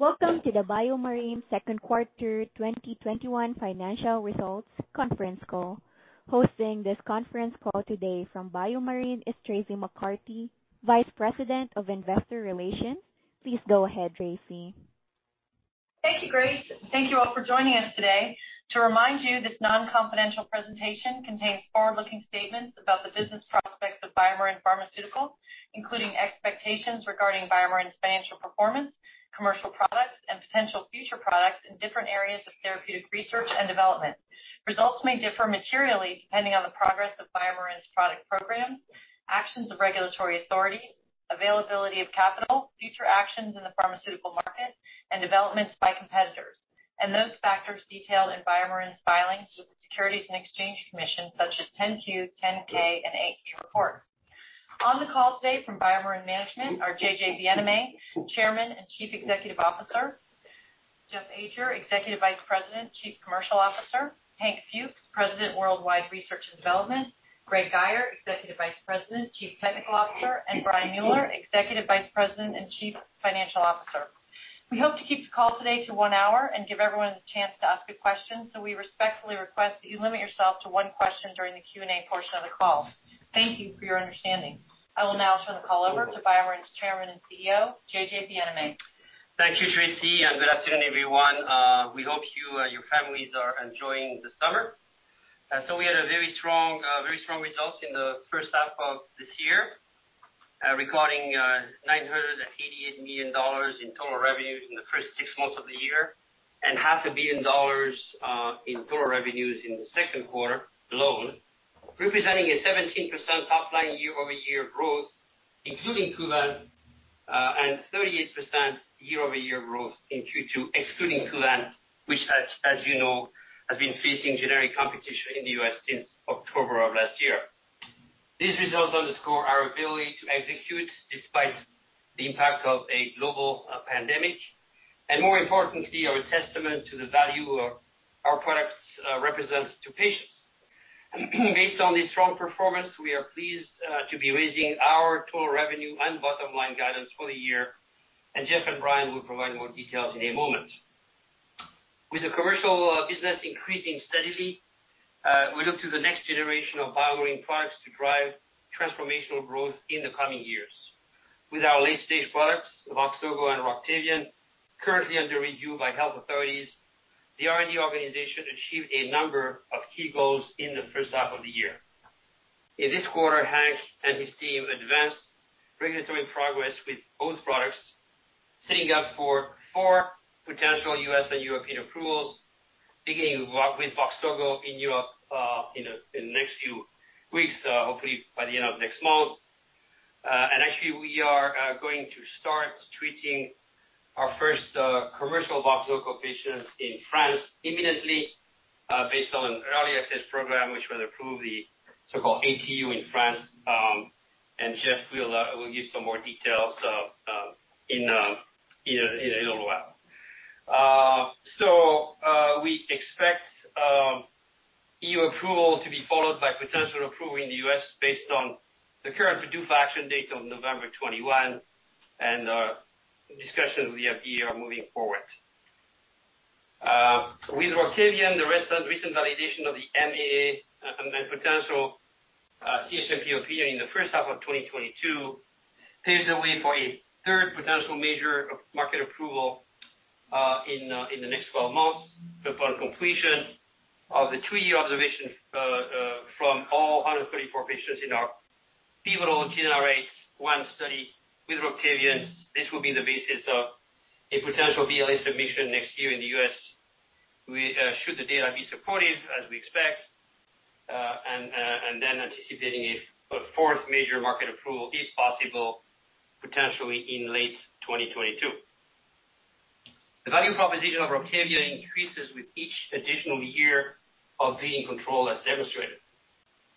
Welcome to the BioMarin second quarter 2021 financial results conference call. Hosting this conference call today from BioMarin is Traci McCarty, Vice President of Investor Relations. Please go ahead, Traci. Thank you, Grace. Thank you all for joining us today. To remind you, this non-confidential presentation contains forward-looking statements about the business prospects of BioMarin Pharmaceutical, including expectations regarding BioMarin's financial performance, commercial products, and potential future products in different areas of therapeutic research and development. Results may differ materially depending on the progress of BioMarin's product program, actions of regulatory authorities, availability of capital, future actions in the pharmaceutical market, and developments by competitors, and those factors detailed in BioMarin's filings with the Securities and Exchange Commission, such as Form 10-Q, Form 10-K, and Form 8-K reports. On the call today from BioMarin Management are J.J. Bienaimé, Chairman and Chief Executive Officer, Jeff Ajer, Executive Vice President, Chief Commercial Officer, Hank Fuchs, President of Worldwide Research and Development, Greg Guyer, Executive Vice President, Chief Technical Officer, and Brian Mueller, Executive Vice President and Chief Financial Officer. We hope to keep the call today to one hour and give everyone a chance to ask a question, so we respectfully request that you limit yourself to one question during the Q&A portion of the call. Thank you for your understanding. I will now turn the call over to BioMarin's Chairman and CEO, J.J. Bienaimé. Thank you, Traci, and good afternoon, everyone. We hope you and your families are enjoying the summer. So we had very strong results in the first half of this year, recording $988 million in total revenues in the first six months of the year and $500 million in total revenues in the second quarter alone, representing a 17% top-line year-over-year growth, including Kuvan, and 38% year-over-year growth excluding Kuvan, which, as you know, has been facing generic competition in the U.S. since October of last year. These results underscore our ability to execute despite the impact of a global pandemic, and more importantly, our testament to the value our products represent to patients. Based on this strong performance, we are pleased to be raising our total revenue and bottom-line guidance for the year, and Jeff and Brian will provide more details in a moment. With the commercial business increasing steadily, we look to the next generation of BioMarin products to drive transformational growth in the coming years. With our late-stage products of VOXZOGO and ROCTAVIAN, currently under review by health authorities, the R&D organization achieved a number of key goals in the first half of the year. In this quarter, Hank and his team advanced regulatory progress with both products, setting up for four potential U.S. and European approvals, beginning with VOXZOGO in Europe in the next few weeks, hopefully by the end of next month. And actually, we are going to start treating our first commercial VOXZOGO patients in France imminently, based on an early access program, which will approve the so-called ATU in France, and Jeff will give some more details in a little while. So we expect EU approval to be followed by potential approval in the U.S. Based on the current PDUFA action date of November 21, and discussions with the FDA are moving forward. With ROCTAVIAN, the recent validation of the MAA and potential CHMP opinion in the first half of 2022 paves the way for 1/3 potential major market approval in the next 12 months. Upon completion of the two-year observation from all 134 patients in our pivotal GENEr8-1 study with ROCTAVIAN, this will be the basis of a potential BLA submission next year in the U.S. Should the data be supportive, as we expect, and then anticipating a fourth major market approval, if possible, potentially in late 2022. The value proposition of ROCTAVIAN increases with each additional year of being controlled, as demonstrated.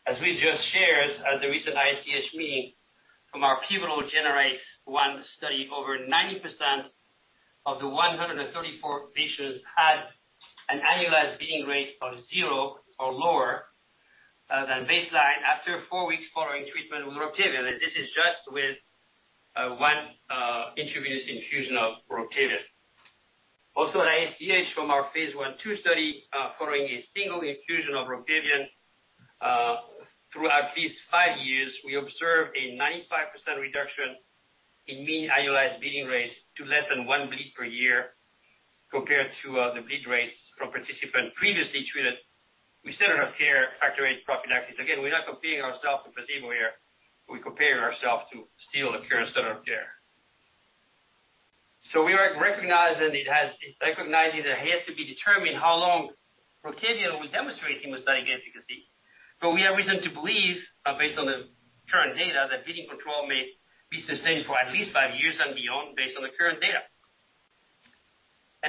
As we just shared at the recent ISTH meeting, from our pivotal GENEr8-1 study, over 90% of the 134 patients had an annualized bleeding rate of zero or lower than baseline after four weeks following treatment with ROCTAVIAN, and this is just with one intravenous infusion of ROCTAVIAN. Also at ISTH, from our Phase I-II study, following a single infusion of ROCTAVIAN through at least five years, we observed a 95% reduction in mean annualized bleeding rates to less than one bleed per year compared to the bleed rates from participants previously treated with standard of care Factor VIII prophylaxis. Again, we're not competing ourselves with placebo here. We're comparing ourselves to still the current standard of care. We are recognizing that it has to be determined how long ROCTAVIAN will demonstrate hemostatic efficacy, but we have reason to believe, based on the current data, that bleeding control may be sustained for at least five years and beyond, based on the current data.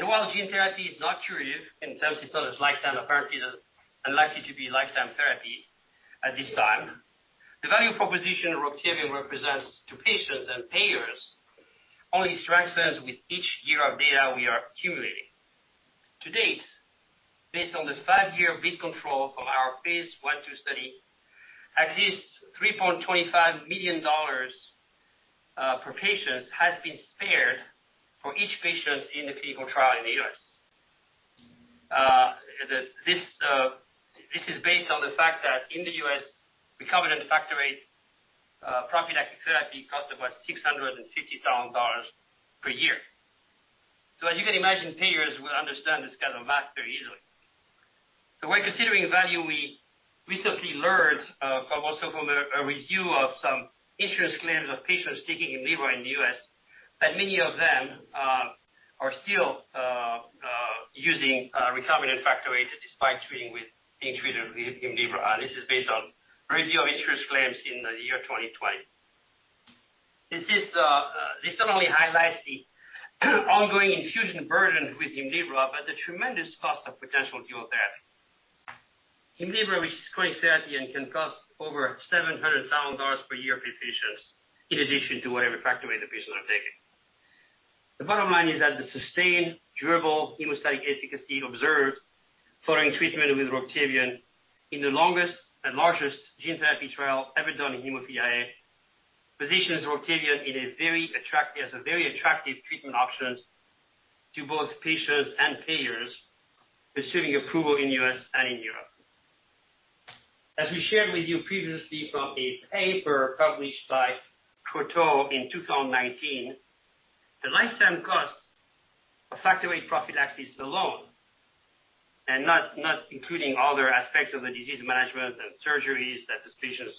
While gene therapy is not curative, in terms it's not a lifetime, apparently it is unlikely to be a lifetime therapy at this time. The value proposition ROCTAVIAN represents to patients and payers only strengthens with each year of data we are accumulating. To date, based on the five-year bleed control from our Phase I-II study, at least $3.25 million per patient has been spared for each patient in the clinical trial in the U.S. This is based on the fact that in the U.S., replacement and Factor VIII prophylactic therapy costs about $650,000 per year. So as you can imagine, payers will understand this kind of math very easily. So when considering value, we recently learned also from a review of some insurance claims of patients taking Hemlibra in the U.S. that many of them are still using prophy and Factor VIII despite being treated with Hemlibra, and this is based on a review of insurance claims in the year 2020. This certainly highlights the ongoing infusion burden with Hemlibra, but the tremendous cost of potential dual therapy. Hemlibra, which is subcutaneous, can cost over $700,000 per year per patient, in addition to whatever Factor VIII the patients are taking. The bottom line is that the sustained, durable hemostatic efficacy observed following treatment with ROCTAVIAN in the longest and largest gene therapy trial ever done in hemophilia positions ROCTAVIAN as a very attractive treatment option to both patients and payers, receiving approval in the U.S. and in Europe. As we shared with you previously from a paper published by Croteau in 2019, the lifetime cost of Factor VIII prophylaxis alone, and not including other aspects of the disease management and surgeries that these patients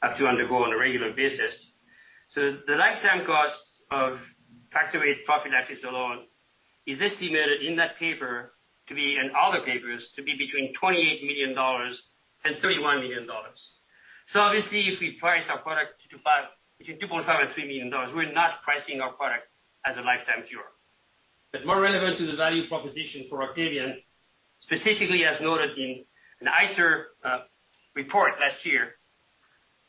have to undergo on a regular basis, so the lifetime cost of Factor VIII prophylaxis alone is estimated in that paper to be, in other papers, to be between $28 million and $31 million. So obviously, if we price our product between $2.5 million and $3 million, we're not pricing our product as a lifetime cure. But more relevant to the value proposition for ROCTAVIAN, specifically as noted in an ICER report last year,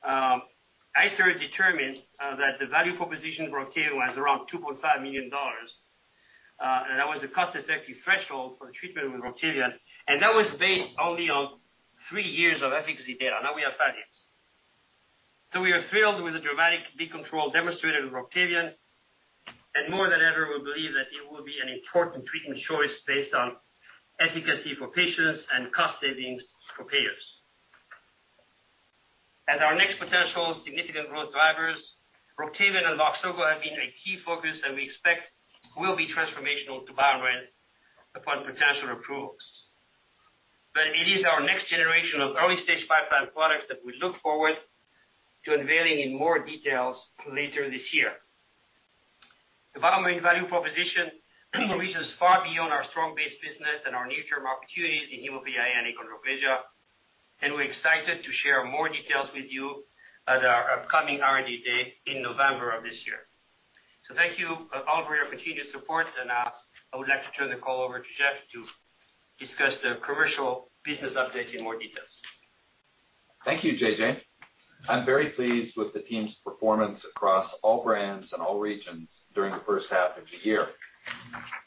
ICER determined that the value proposition for ROCTAVIAN was around $2.5 million, and that was the cost-effective threshold for the treatment with ROCTAVIAN, and that was based only on three years of efficacy data. Now we have five years. So we are thrilled with the dramatic bleed control demonstrated with ROCTAVIAN, and more than ever, we believe that it will be an important treatment choice based on efficacy for patients and cost savings for payers. As our next potential significant growth drivers, ROCTAVIAN and VOXZOGO have been a key focus, and we expect will be transformational to BioMarin upon potential approvals. But it is our next generation of early-stage pipeline products that we look forward to unveiling in more details later this year. The BioMarin value proposition reaches far beyond our strong base business and our near-term opportunities in hemophilia and achondroplasia, and we're excited to share more details with you at our upcoming R&D Day in November of this year. Thank you all for your continued support, and I would like to turn the call over to Jeff to discuss the commercial business update in more details. Thank you, J.J. I'm very pleased with the team's performance across all brands and all regions during the first half of the year.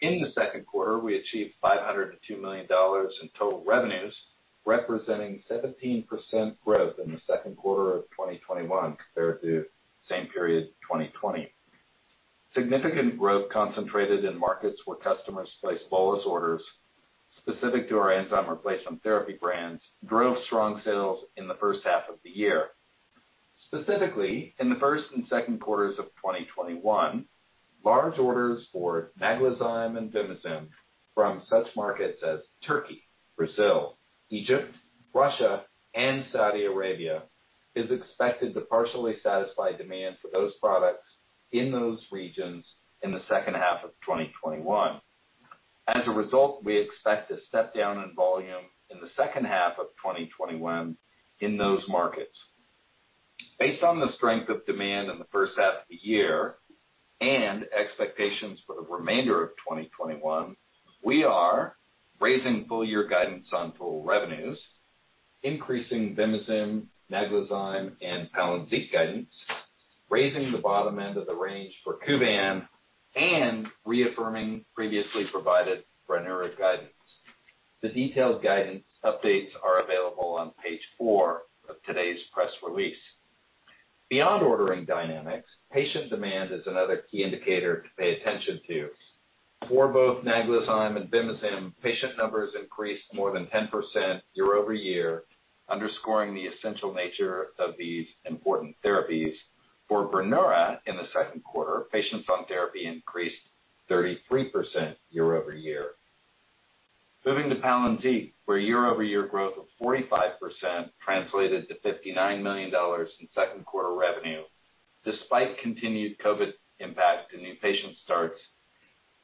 In the second quarter, we achieved $502 million in total revenues, representing 17% growth in the second quarter of 2021 compared to the same period in 2020. Significant growth concentrated in markets where customers placed bolus orders specific to our enzyme replacement therapy brands drove strong sales in the first half of the year. Specifically, in the first and second quarters of 2021, large orders for Naglazyme and Vimizim from such markets as Turkey, Brazil, Egypt, Russia, and Saudi Arabia are expected to partially satisfy demand for those products in those regions in the second half of 2021. As a result, we expect a step down in volume in the second half of 2021 in those markets. Based on the strength of demand in the first half of the year and expectations for the remainder of 2021, we are raising full-year guidance on total revenues, increasing Vimizim, Naglazyme, and Palynziq guidance, raising the bottom end of the range for Kuvan, and reaffirming previously provided granular guidance. The detailed guidance updates are available on page four of today's press release. Beyond ordering dynamics, patient demand is another key indicator to pay attention to. For both Naglazyme and Vimizim, patient numbers increased more than 10% year-over-year, underscoring the essential nature of these important therapies. For Brineura, in the second quarter, patients on therapy increased 33% year-over-year. Moving to Palynziq, where year-over-year growth of 45% translated to $59 million in second quarter revenue, despite continued COVID impact and new patient starts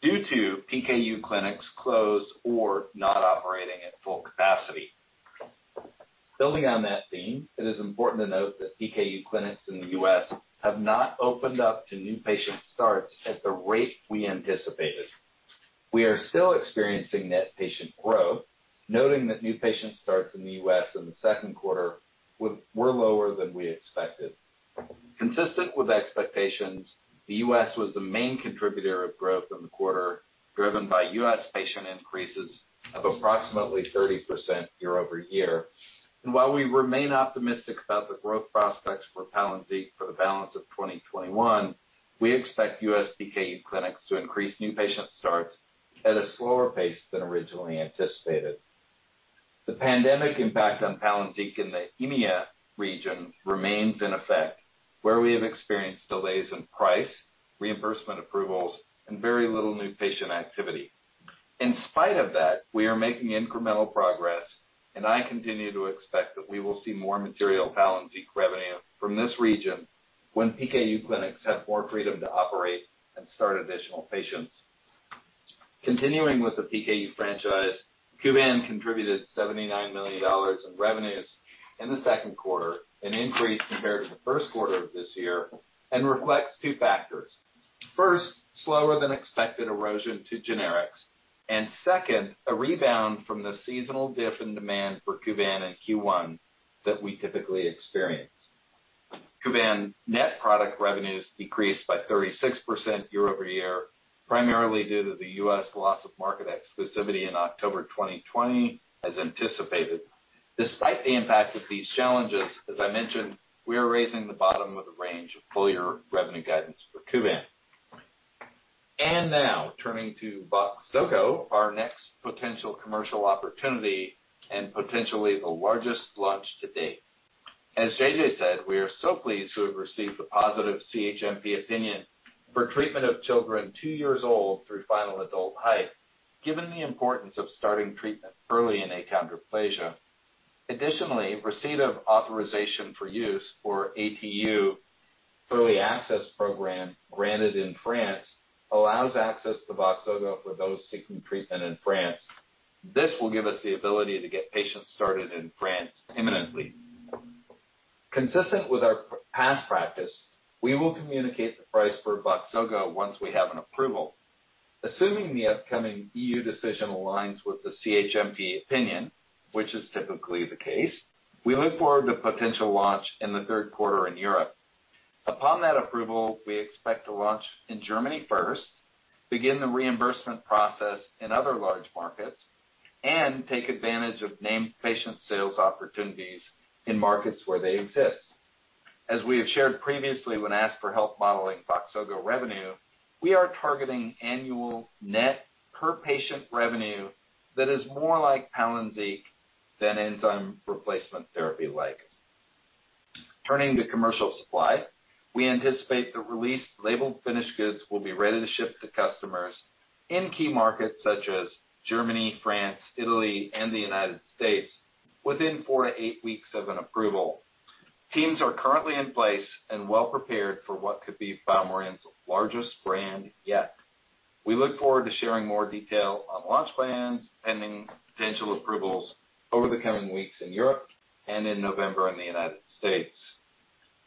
due to PKU clinics closed or not operating at full capacity. Building on that theme, it is important to note that PKU clinics in the U.S. have not opened up to new patient starts at the rate we anticipated. We are still experiencing net patient growth, noting that new patient starts in the U.S. in the second quarter were lower than we expected. Consistent with expectations, the U.S. was the main contributor of growth in the quarter, driven by U.S. patient increases of approximately 30% year-over-year. And while we remain optimistic about the growth prospects for Palynziq for the balance of 2021, we expect U.S. PKU clinics to increase new patient starts at a slower pace than originally anticipated. The pandemic impact on Palynziq in the EMEA region remains in effect, where we have experienced delays in price, reimbursement approvals, and very little new patient activity. In spite of that, we are making incremental progress, and I continue to expect that we will see more material Palynziq revenue from this region when PKU clinics have more freedom to operate and start additional patients. Continuing with the PKU franchise, Kuvan contributed $79 million in revenues in the second quarter, an increase compared to the first quarter of this year, and reflects two factors. First, slower than expected erosion to generics, and second, a rebound from the seasonal dip in demand for Kuvan and Q1 that we typically experience. Kuvan net product revenues decreased by 36% year-over-year, primarily due to the U.S. loss of market exclusivity in October 2020, as anticipated. Despite the impact of these challenges, as I mentioned, we are raising the bottom of the range of full-year revenue guidance for Kuvan. Now, turning to VOXZOGO, our next potential commercial opportunity and potentially the largest launch to date. As J.J. said, we are so pleased to have received a positive CHMP opinion for treatment of children two years old through final adult height, given the importance of starting treatment early in achondroplasia. Additionally, receipt of authorization for use, or ATU, Early Access Program, granted in France, allows access to VOXZOGO for those seeking treatment in France. This will give us the ability to get patients started in France imminently. Consistent with our past practice, we will communicate the price for VOXZOGO once we have an approval. Assuming the upcoming EU decision aligns with the CHMP opinion, which is typically the case, we look forward to potential launch in the third quarter in Europe. Upon that approval, we expect to launch in Germany first, begin the reimbursement process in other large markets, and take advantage of named patient sales opportunities in markets where they exist. As we have shared previously when asked for health modeling VOXZOGO revenue, we are targeting annual net per patient revenue that is more like Palynziq than enzyme replacement therapy-like. Turning to commercial supply, we anticipate the released labeled finished goods will be ready to ship to customers in key markets such as Germany, France, Italy, and the United States within four to eight weeks of an approval. Teams are currently in place and well prepared for what could be BioMarin's largest brand yet. We look forward to sharing more detail on launch plans, pending potential approvals over the coming weeks in Europe and in November in the United States.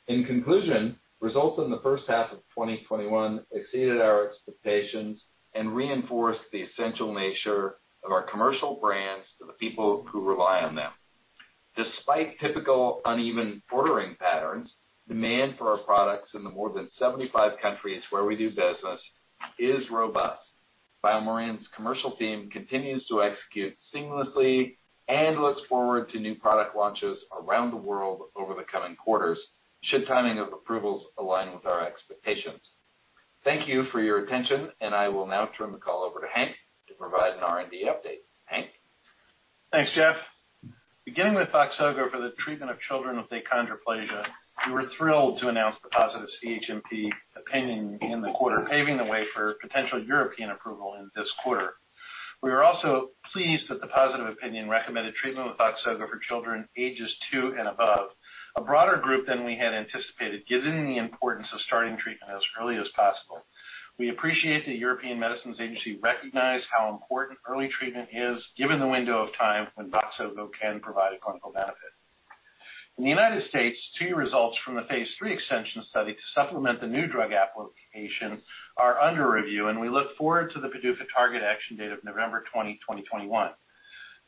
In conclusion, results in the first half of 2021 exceeded our expectations and reinforced the essential nature of our commercial brands to the people who rely on them. Despite typical uneven ordering patterns, demand for our products in the more than 75 countries where we do business is robust. BioMarin's commercial team continues to execute seamlessly and looks forward to new product launches around the world over the coming quarters, should timing of approvals align with our expectations. Thank you for your attention, and I will now turn the call over to Hank to provide an R&D update. Hank? Thanks, Jeff. Beginning with VOXZOGO for the treatment of children with achondroplasia, we were thrilled to announce the positive CHMP opinion in the quarter, paving the way for potential European approval in this quarter. We are also pleased that the positive opinion recommended treatment with VOXZOGO for children ages two and above, a broader group than we had anticipated, given the importance of starting treatment as early as possible. We appreciate that European Medicines Agency recognized how important early treatment is, given the window of time when VOXZOGO can provide a clinical benefit. In the United States, top-line results from the Phase III extension study to supplement the new drug application are under review, and we look forward to the PDUFA target action date of November 20, 2021.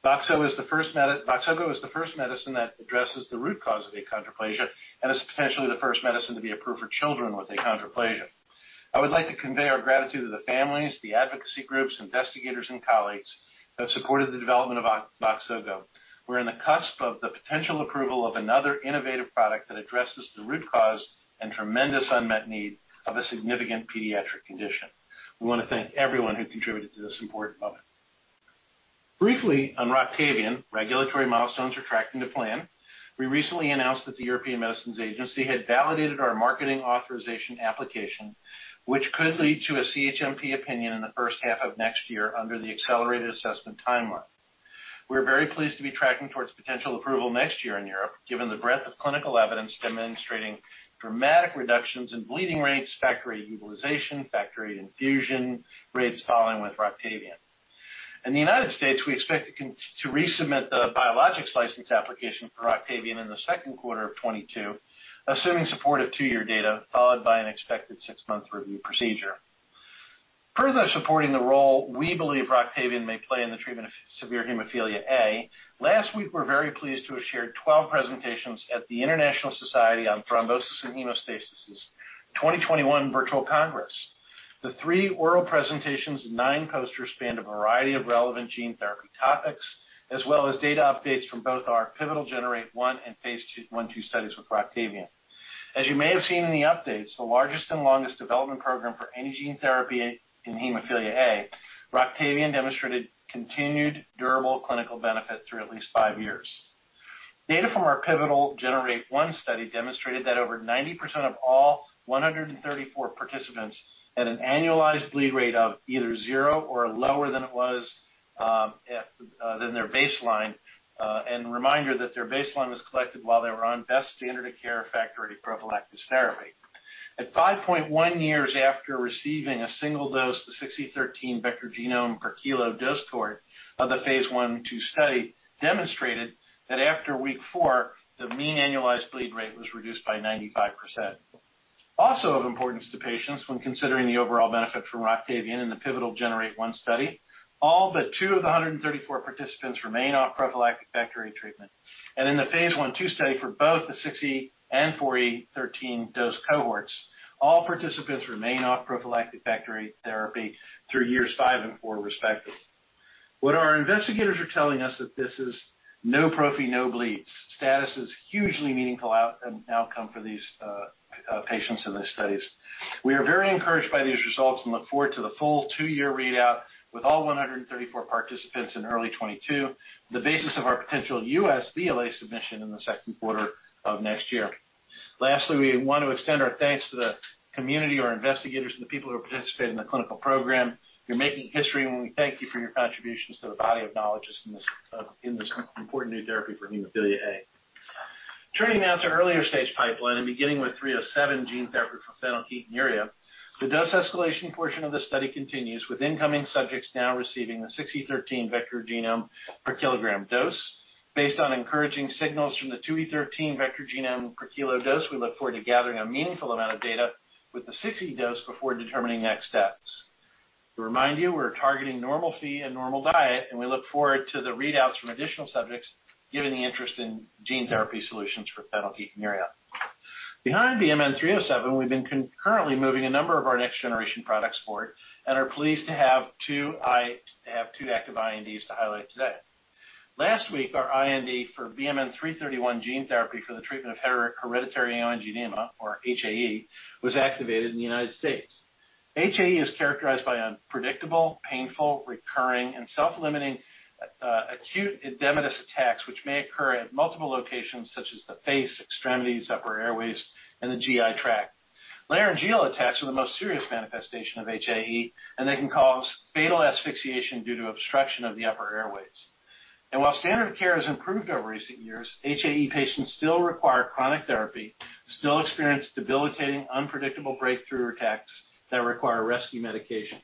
VOXZOGO is the first medicine that addresses the root cause of achondroplasia and is potentially the first medicine to be approved for children with achondroplasia. I would like to convey our gratitude to the families, the advocacy groups, investigators, and colleagues who have supported the development of VOXZOGO. We're on the cusp of the potential approval of another innovative product that addresses the root cause and tremendous unmet need of a significant pediatric condition. We want to thank everyone who contributed to this important moment. Briefly, on ROCTAVIAN, regulatory milestones are tracking to plan. We recently announced that the European Medicines Agency had validated our marketing authorization application, which could lead to a CHMP opinion in the first half of next year under the accelerated assessment timeline. We're very pleased to be tracking towards potential approval next year in Europe, given the breadth of clinical evidence demonstrating dramatic reductions in bleeding rates, Factor VIII utilization, Factor VIII infusion rates following with ROCTAVIAN. In the United States, we expect to resubmit the biologics license application for ROCTAVIAN in the second quarter of 2022, assuming support of two-year data, followed by an expected six-month review procedure. Further supporting the role we believe ROCTAVIAN may play in the treatment of severe hemophilia A, last week we're very pleased to have shared 12 presentations at the International Society on Thrombosis and Haemostasis' 2021 virtual congress. The three oral presentations and nine posters spanned a variety of relevant gene therapy topics, as well as data updates from both our pivotal GENEr8-1 and Phase II studies with ROCTAVIAN. As you may have seen in the updates, the largest and longest development program for any gene therapy in hemophilia A, ROCTAVIAN demonstrated continued durable clinical benefit through at least five years. Data from our pivotal GENEr8-1 study demonstrated that over 90% of all 134 participants had an annualized bleed rate of either zero or lower than their baseline, and a reminder that their baseline was collected while they were on best standard-of-care Factor VIII prophylaxis therapy. At 5.1 years after receiving a single dose of the 6 x 10^{13} vector genomes per kg dose of the Phase I and II study, demonstrated that after week 4, the mean annualized bleed rate was reduced by 95%. Also, of importance to patients when considering the overall benefit from ROCTAVIAN in the pivotal GENEr8-1 study, all but two of the 134 participants remain off prophylactic Factor VIII treatment. In the Phase I and II study for both the 6E13 and 4E13 dose cohorts, all participants remain off prophylactic Factor VIII therapy through years five and four respectively. What our investigators are telling us is that this is no prophy, no bleeds status is a hugely meaningful outcome for these patients in these studies. We are very encouraged by these results and look forward to the full two-year readout with all 134 participants in early 2022, the basis of our potential U.S. BLA submission in the second quarter of next year. Lastly, we want to extend our thanks to the community, our investigators, and the people who participate in the clinical program. You are making history, and we thank you for your contributions to the body of knowledge in this important new therapy for hemophilia A. Turning now to earlier stage pipeline and beginning with 307 gene therapy for phenylketonuria, the dose escalation portion of the study continues with incoming subjects now receiving the 6e13 vector genome per kg dose. Based on encouraging signals from the 2e13 vector genome per kg dose, we look forward to gathering a meaningful amount of data with the 6e13 dose before determining next steps. To remind you, we're targeting normal Phe and normal diet, and we look forward to the readouts from additional subjects given the interest in gene therapy solutions for phenylketonuria. Behind BMN 307, we've been currently moving a number of our next generation products forward and are pleased to have two active INDs to highlight today. Last week, our IND for BMN 331 gene therapy for the treatment of hereditary angioedema, or HAE, was activated in the United States. HAE is characterized by unpredictable, painful, recurring, and self-limiting acute edematous attacks, which may occur at multiple locations such as the face, extremities, upper airways, and the GI tract. Laryngeal attacks are the most serious manifestation of HAE, and they can cause fatal asphyxiation due to obstruction of the upper airways. While standard of care has improved over recent years, HAE patients still require chronic therapy, still experience debilitating, unpredictable breakthrough attacks that require rescue medication.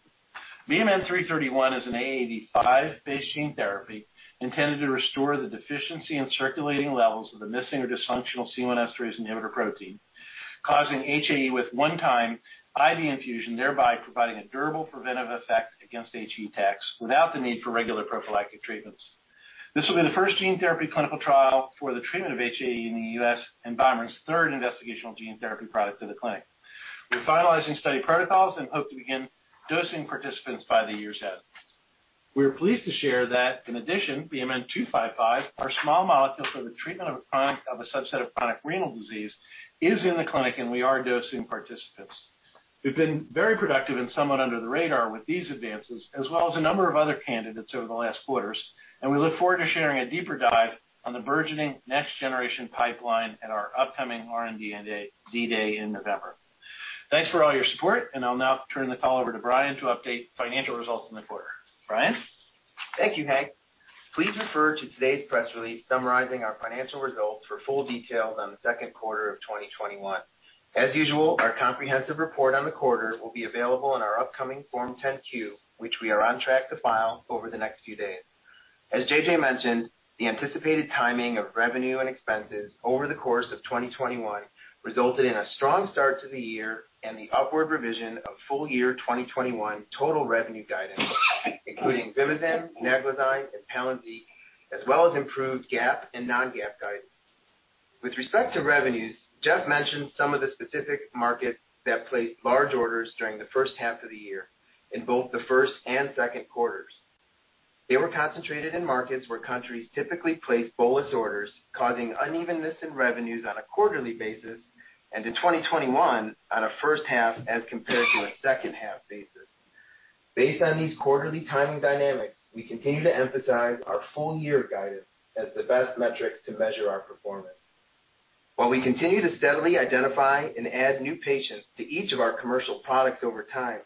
BMN 331 is an AAV5-based gene therapy intended to restore the deficiency in circulating levels of the missing or dysfunctional C1 esterase inhibitor protein, causing HAE with one-time IV infusion, thereby providing a durable preventive effect against HAE attacks without the need for regular prophylactic treatments. This will be the first gene therapy clinical trial for the treatment of HAE in the U.S. and BioMarin's third investigational gene therapy product to the clinic. We're finalizing study protocols and hope to begin dosing participants by the year's end. We're pleased to share that, in addition, BMN 255, our small molecule for the treatment of a subset of chronic renal disease, is in the clinic and we are dosing participants. We've been very productive and somewhat under the radar with these advances, as well as a number of other candidates over the last quarters, and we look forward to sharing a deeper dive on the burgeoning next generation pipeline at our upcoming R&D Day in November. Thanks for all your support, and I'll now turn the call over to Brian to update financial results in the quarter. Brian? Thank you, Hank. Please refer to today's press release summarizing our financial results for full details on the second quarter of 2021. As usual, our comprehensive report on the quarter will be available in our upcoming Form 10-Q, which we are on track to file over the next few days. As J.J. mentioned, the anticipated timing of revenue and expenses over the course of 2021 resulted in a strong start to the year and the upward revision of full year 2021 total revenue guidance, including Vimizim, Naglazyme, and Palynziq, as well as improved GAAP and non-GAAP guidance. With respect to revenues, Jeff mentioned some of the specific markets that placed large orders during the first half of the year in both the first and second quarters. They were concentrated in markets where countries typically place bolus orders, causing unevenness in revenues on a quarterly basis and in 2021 on a first half as compared to a second half basis. Based on these quarterly timing dynamics, we continue to emphasize our full year guidance as the best metrics to measure our performance. While we continue to steadily identify and add new patients to each of our commercial products over time,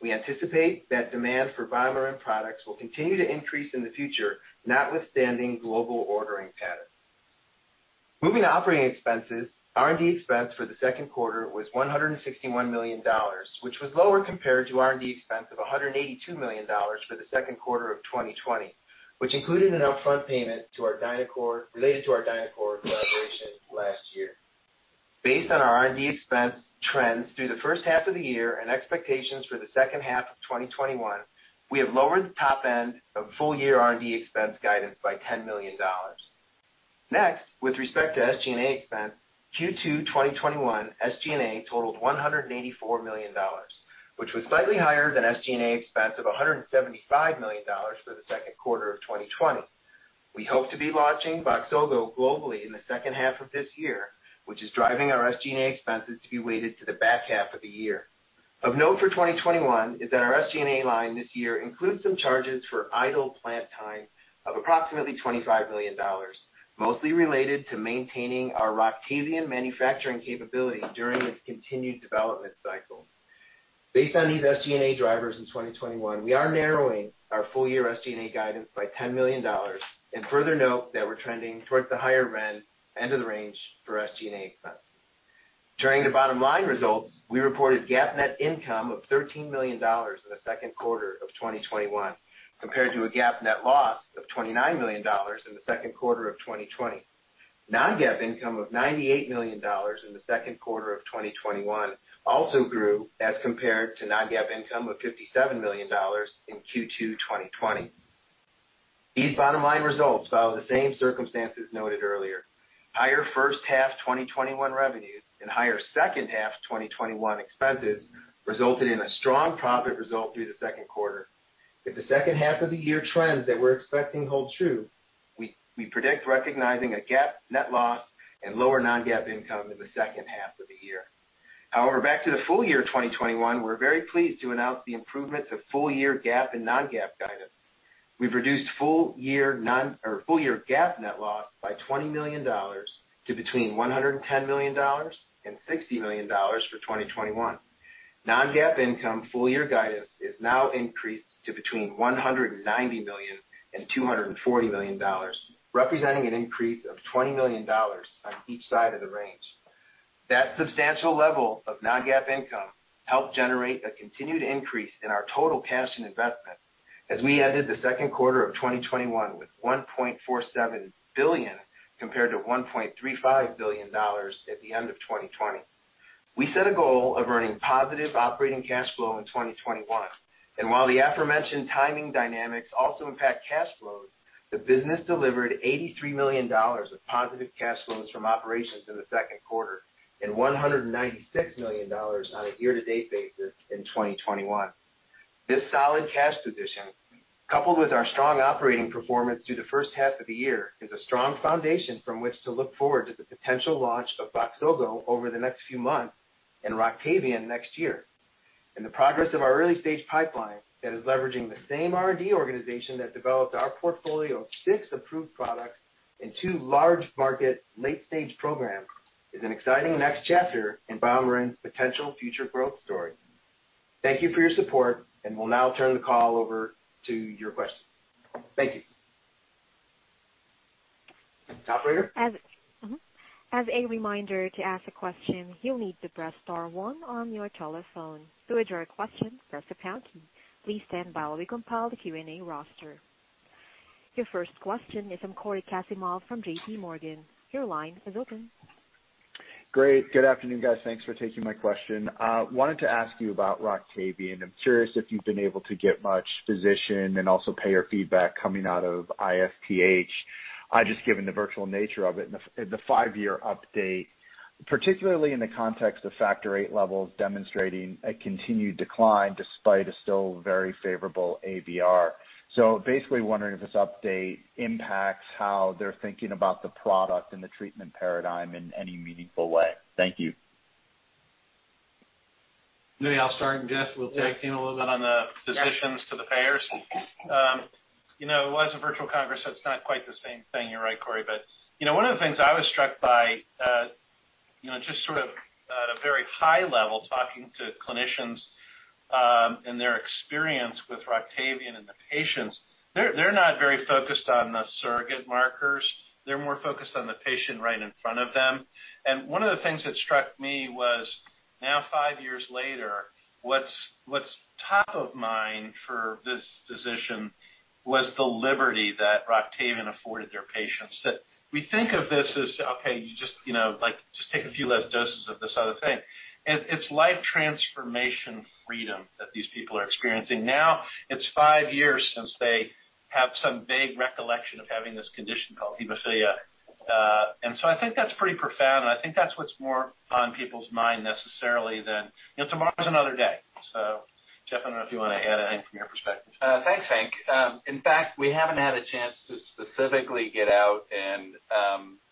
we anticipate that demand for BioMarin products will continue to increase in the future, notwithstanding global ordering patterns. Moving to operating expenses, R&D expense for the second quarter was $161 million, which was lower compared to R&D expense of $182 million for the second quarter of 2020, which included an upfront payment related to our DiNAQOR collaboration last year. Based on our R&D expense trends through the first half of the year and expectations for the second half of 2021, we have lowered the top end of full year R&D expense guidance by $10 million. Next, with respect to SG&A expense, Q2 2021 SG&A totaled $184 million, which was slightly higher than SG&A expense of $175 million for the second quarter of 2020. We hope to be launching VOXZOGO globally in the second half of this year, which is driving our SG&A expenses to be weighted to the back half of the year. Of note for 2021 is that our SG&A line this year includes some charges for idle plant time of approximately $25 million, mostly related to maintaining our ROCTAVIAN manufacturing capability during its continued development cycle. Based on these SG&A drivers in 2021, we are narrowing our full year SG&A guidance by $10 million, and further note that we're trending towards the higher end of the range for SG&A expenses. During the bottom line results, we reported GAAP net income of $13 million in the second quarter of 2021, compared to a GAAP net loss of $29 million in the second quarter of 2020. Non-GAAP income of $98 million in the second quarter of 2021 also grew as compared to non-GAAP income of $57 million in Q2 2020. These bottom line results follow the same circumstances noted earlier. Higher first half 2021 revenues and higher second half 2021 expenses resulted in a strong profit result through the second quarter. If the second half of the year trends that we're expecting hold true, we predict recognizing a GAAP net loss and lower non-GAAP income in the second half of the year. However, back to the full year 2021, we're very pleased to announce the improvements of full year GAAP and non-GAAP guidance. We've reduced full year GAAP net loss by $20 million to between $110 million and $60 million for 2021. Non-GAAP income full year guidance is now increased to between $190 million and $240 million, representing an increase of $20 million on each side of the range. That substantial level of non-GAAP income helped generate a continued increase in our total cash and investment as we ended the second quarter of 2021 with $1.47 billion compared to $1.35 billion at the end of 2020. We set a goal of earning positive operating cash flow in 2021, and while the aforementioned timing dynamics also impact cash flows, the business delivered $83 million of positive cash flows from operations in the second quarter and $196 million on a year-to-date basis in 2021. This solid cash position, coupled with our strong operating performance through the first half of the year, is a strong foundation from which to look forward to the potential launch of VOXZOGO over the next few months and ROCTAVIAN next year. The progress of our early stage pipeline that is leveraging the same R&D organization that developed our portfolio of six approved products in two large market late stage programs is an exciting next chapter in BioMarin's potential future growth story. Thank you for your support, and we'll now turn the call over to your questions. Thank you. As a reminder to ask a question, you'll need to press star one on your telephone. To address your question, press the pound key. Please stand by while we compile the Q&A roster. Your first question is from Cory Kasimov from JPMorgan. Your line is open. Great. Good afternoon, guys. Thanks for taking my question. I wanted to ask you about ROCTAVIAN. I'm curious if you've been able to get much physician and also payer feedback coming out of ISTH, just given the virtual nature of it and the five-year update, particularly in the context of Factor VIII levels demonstrating a continued decline despite a still very favorable ABR. So basically wondering if this update impacts how they're thinking about the product and the treatment paradigm in any meaningful way. Thank you. Maybe I'll start, Jeff. We'll take a little bit on the physicians to the payers. It was a virtual conference, so it's not quite the same thing. You're right, Cory. But one of the things I was struck by, just sort of at a very high level, talking to clinicians and their experience with ROCTAVIAN and the patients, they're not very focused on the surrogate markers. They're more focused on the patient right in front of them. And one of the things that struck me was, now five years later, what's top of mind for this physician was the liberty that ROCTAVIAN afforded their patients. We think of this as, okay, just take a few less doses of this other thing. It's life transformation freedom that these people are experiencing. Now it's five years since they have some vague recollection of having this condition called hemophilia. And so I think that's pretty profound, and I think that's what's more on people's mind necessarily than tomorrow's another day. So, Jeff, I don't know if you want to add anything from your perspective. Thanks, Hank. In fact, we haven't had a chance to specifically get out and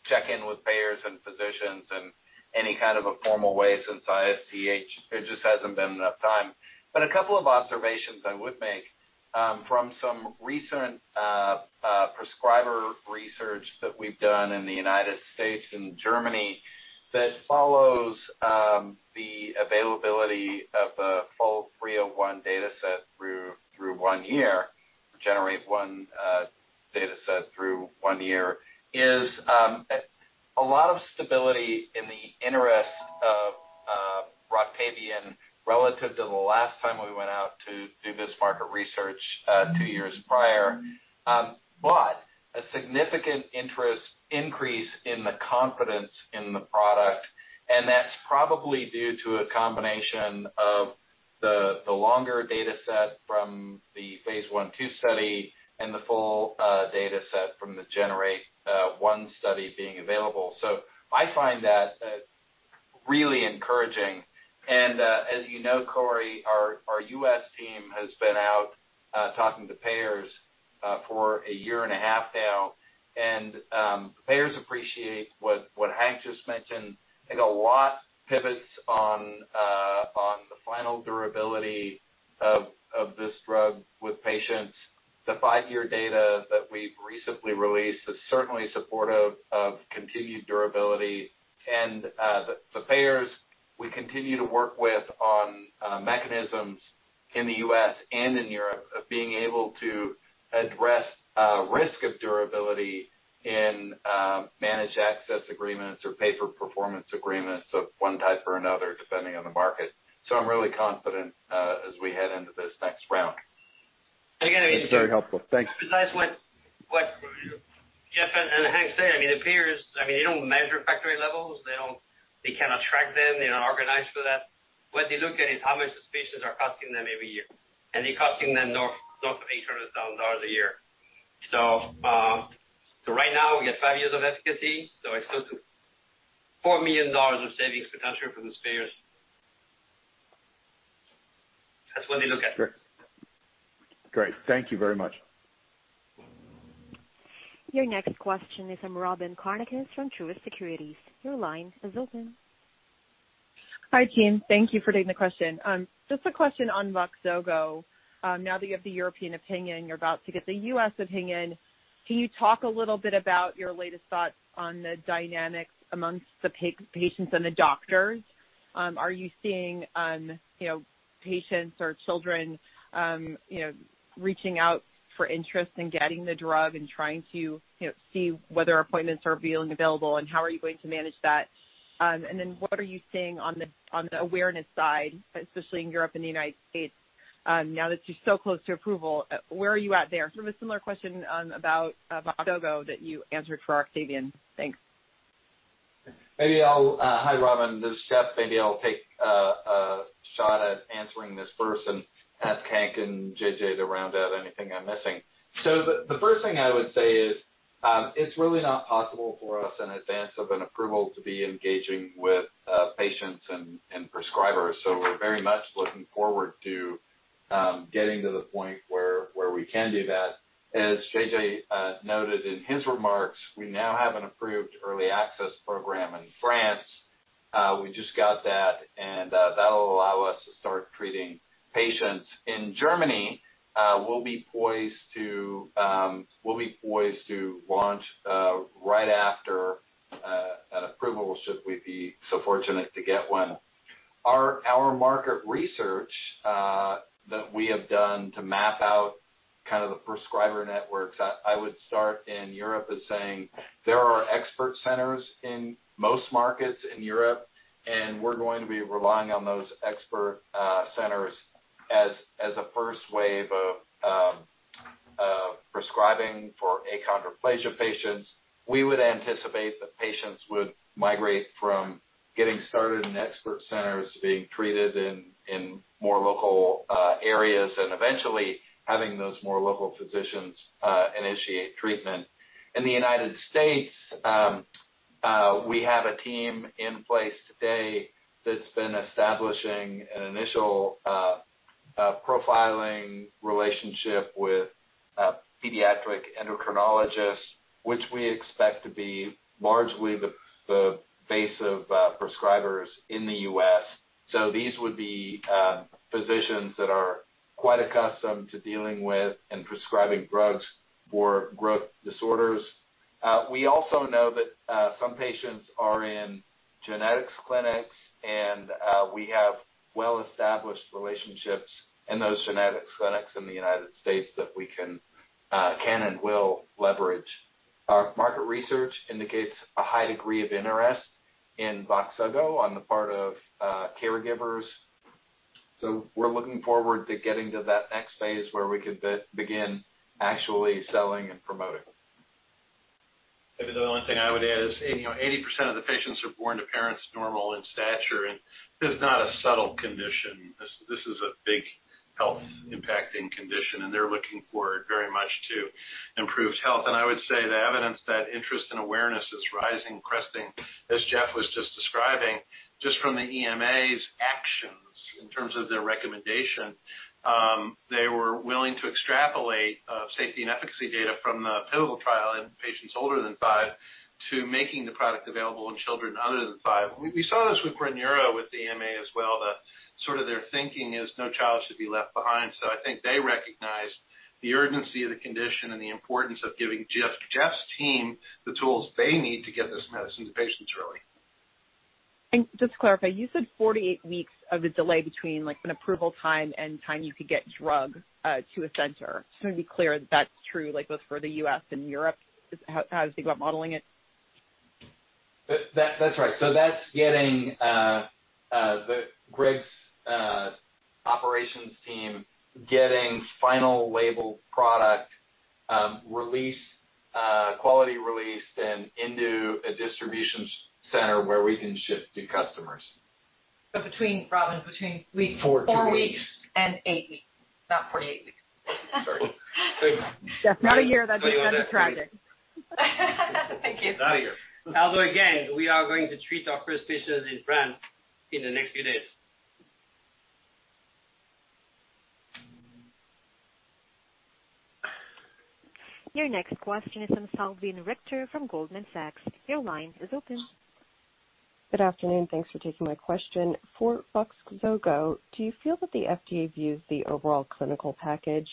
check in with payers and physicians in any kind of a formal way since ISTH. There just hasn't been enough time, but a couple of observations I would make from some recent prescriber research that we've done in the United States and Germany that follows the availability of the full 301 data set through one year, GENEr8-1 data set through one year, is a lot of stability in the interest of ROCTAVIAN relative to the last time we went out to do this market research two years prior, but a significant interest increase in the confidence in the product, and that's probably due to a combination of the longer data set from the Phase I/II study and the full data set from the GENEr8-1 study being available, so I find that really encouraging. And as you know, Cory, our U.S. team has been out talking to payers for a year and a half now, and payers appreciate what Hank just mentioned. I think a lot pivots on the final durability of this drug with patients. The five-year data that we've recently released is certainly supportive of continued durability. And the payers we continue to work with on mechanisms in the U.S. and in Europe of being able to address risk of durability and manage access agreements or pay for performance agreements of one type or another depending on the market. So I'm really confident as we head into this next round. That's very helpful. Thank you. Besides what Jeff and Hank said, I mean, the payers, I mean, they don't measure Factor VIII levels. They can't track them. They're not organized for that. What they look at is how much the patients are costing them every year, and they're costing them north of $800,000 a year. So right now, we got five years of efficacy, so it's close to $4 million of savings potentially for these payers. That's what they look at. Great. Thank you very much. Your next question is from Robyn Karnauskas from Truist Securities. Your line is open. Hi, team. Thank you for taking the question. Just a question on VOXZOGO. Now that you have the European opinion, you're about to get the U.S. opinion. Can you talk a little bit about your latest thoughts on the dynamics amongst the patients and the doctors? Are you seeing patients or children reaching out for interest in getting the drug and trying to see whether appointments are available, and how are you going to manage that? And then what are you seeing on the awareness side, especially in Europe and the United States, now that you're so close to approval? Where are you at there? Sort of a similar question about VOXZOGO that you answered for ROCTAVIAN. Thanks. Hi, Robyn. This is Jeff. Maybe I'll take a shot at answering this first and ask Hank and J.J. to round out anything I'm missing. So the first thing I would say is it's really not possible for us in advance of an approval to be engaging with patients and prescribers. So we're very much looking forward to getting to the point where we can do that. As J.J. noted in his remarks, we now have an approved early access program in France. We just got that, and that'll allow us to start treating patients. In Germany, we'll be poised to launch right after an approval should we be so fortunate to get one. Our market research that we have done to map out kind of the prescriber networks, I would start in Europe as saying there are expert centers in most markets in Europe, and we're going to be relying on those expert centers as a first wave of prescribing for achondroplasia patients. We would anticipate that patients would migrate from getting started in expert centers to being treated in more local areas and eventually having those more local physicians initiate treatment. In the United States, we have a team in place today that's been establishing an initial profiling relationship with pediatric endocrinologists, which we expect to be largely the base of prescribers in the U.S. So these would be physicians that are quite accustomed to dealing with and prescribing drugs for growth disorders. We also know that some patients are in genetics clinics, and we have well-established relationships in those genetics clinics in the United States that we can and will leverage. Our market research indicates a high degree of interest in VOXZOGO on the part of caregivers. So we're looking forward to getting to that next phase where we could begin actually selling and promoting. Maybe the only thing I would add is 80% of the patients are born to parents normal in stature, and this is not a subtle condition. This is a big health-impacting condition, and they're looking forward very much to improved health. And I would say the evidence that interest and awareness is rising, cresting, as Jeff was just describing, just from the EMA's actions in terms of their recommendation. They were willing to extrapolate safety and efficacy data from the pivotal trial in patients older than five to making the product available in children under five. We saw this with Brineura with the EMA as well. Sort of their thinking is no child should be left behind. So I think they recognized the urgency of the condition and the importance of giving Jeff's team the tools they need to get this medicine to patients early. And just to clarify, you said 48 weeks of a delay between an approval time and time you could get drug to a center. Just want to be clear that that's true both for the U.S. and Europe. How do you think about modeling it? That's right. So that's getting Greg's operations team final label product release, quality released, and into a distribution center where we can ship to customers. But between Robyn, between weeks. Four weeks and eight weeks, not 48 weeks. Jeff, not a year. That'd be tragic. Thank you. Not a year. Although, again, we are going to treat our first patients in France in the next few days. Your next question is from Salveen Richter from Goldman Sachs. Your line is open. Good afternoon. Thanks for taking my question. For VOXZOGO, do you feel that the FDA views the overall clinical package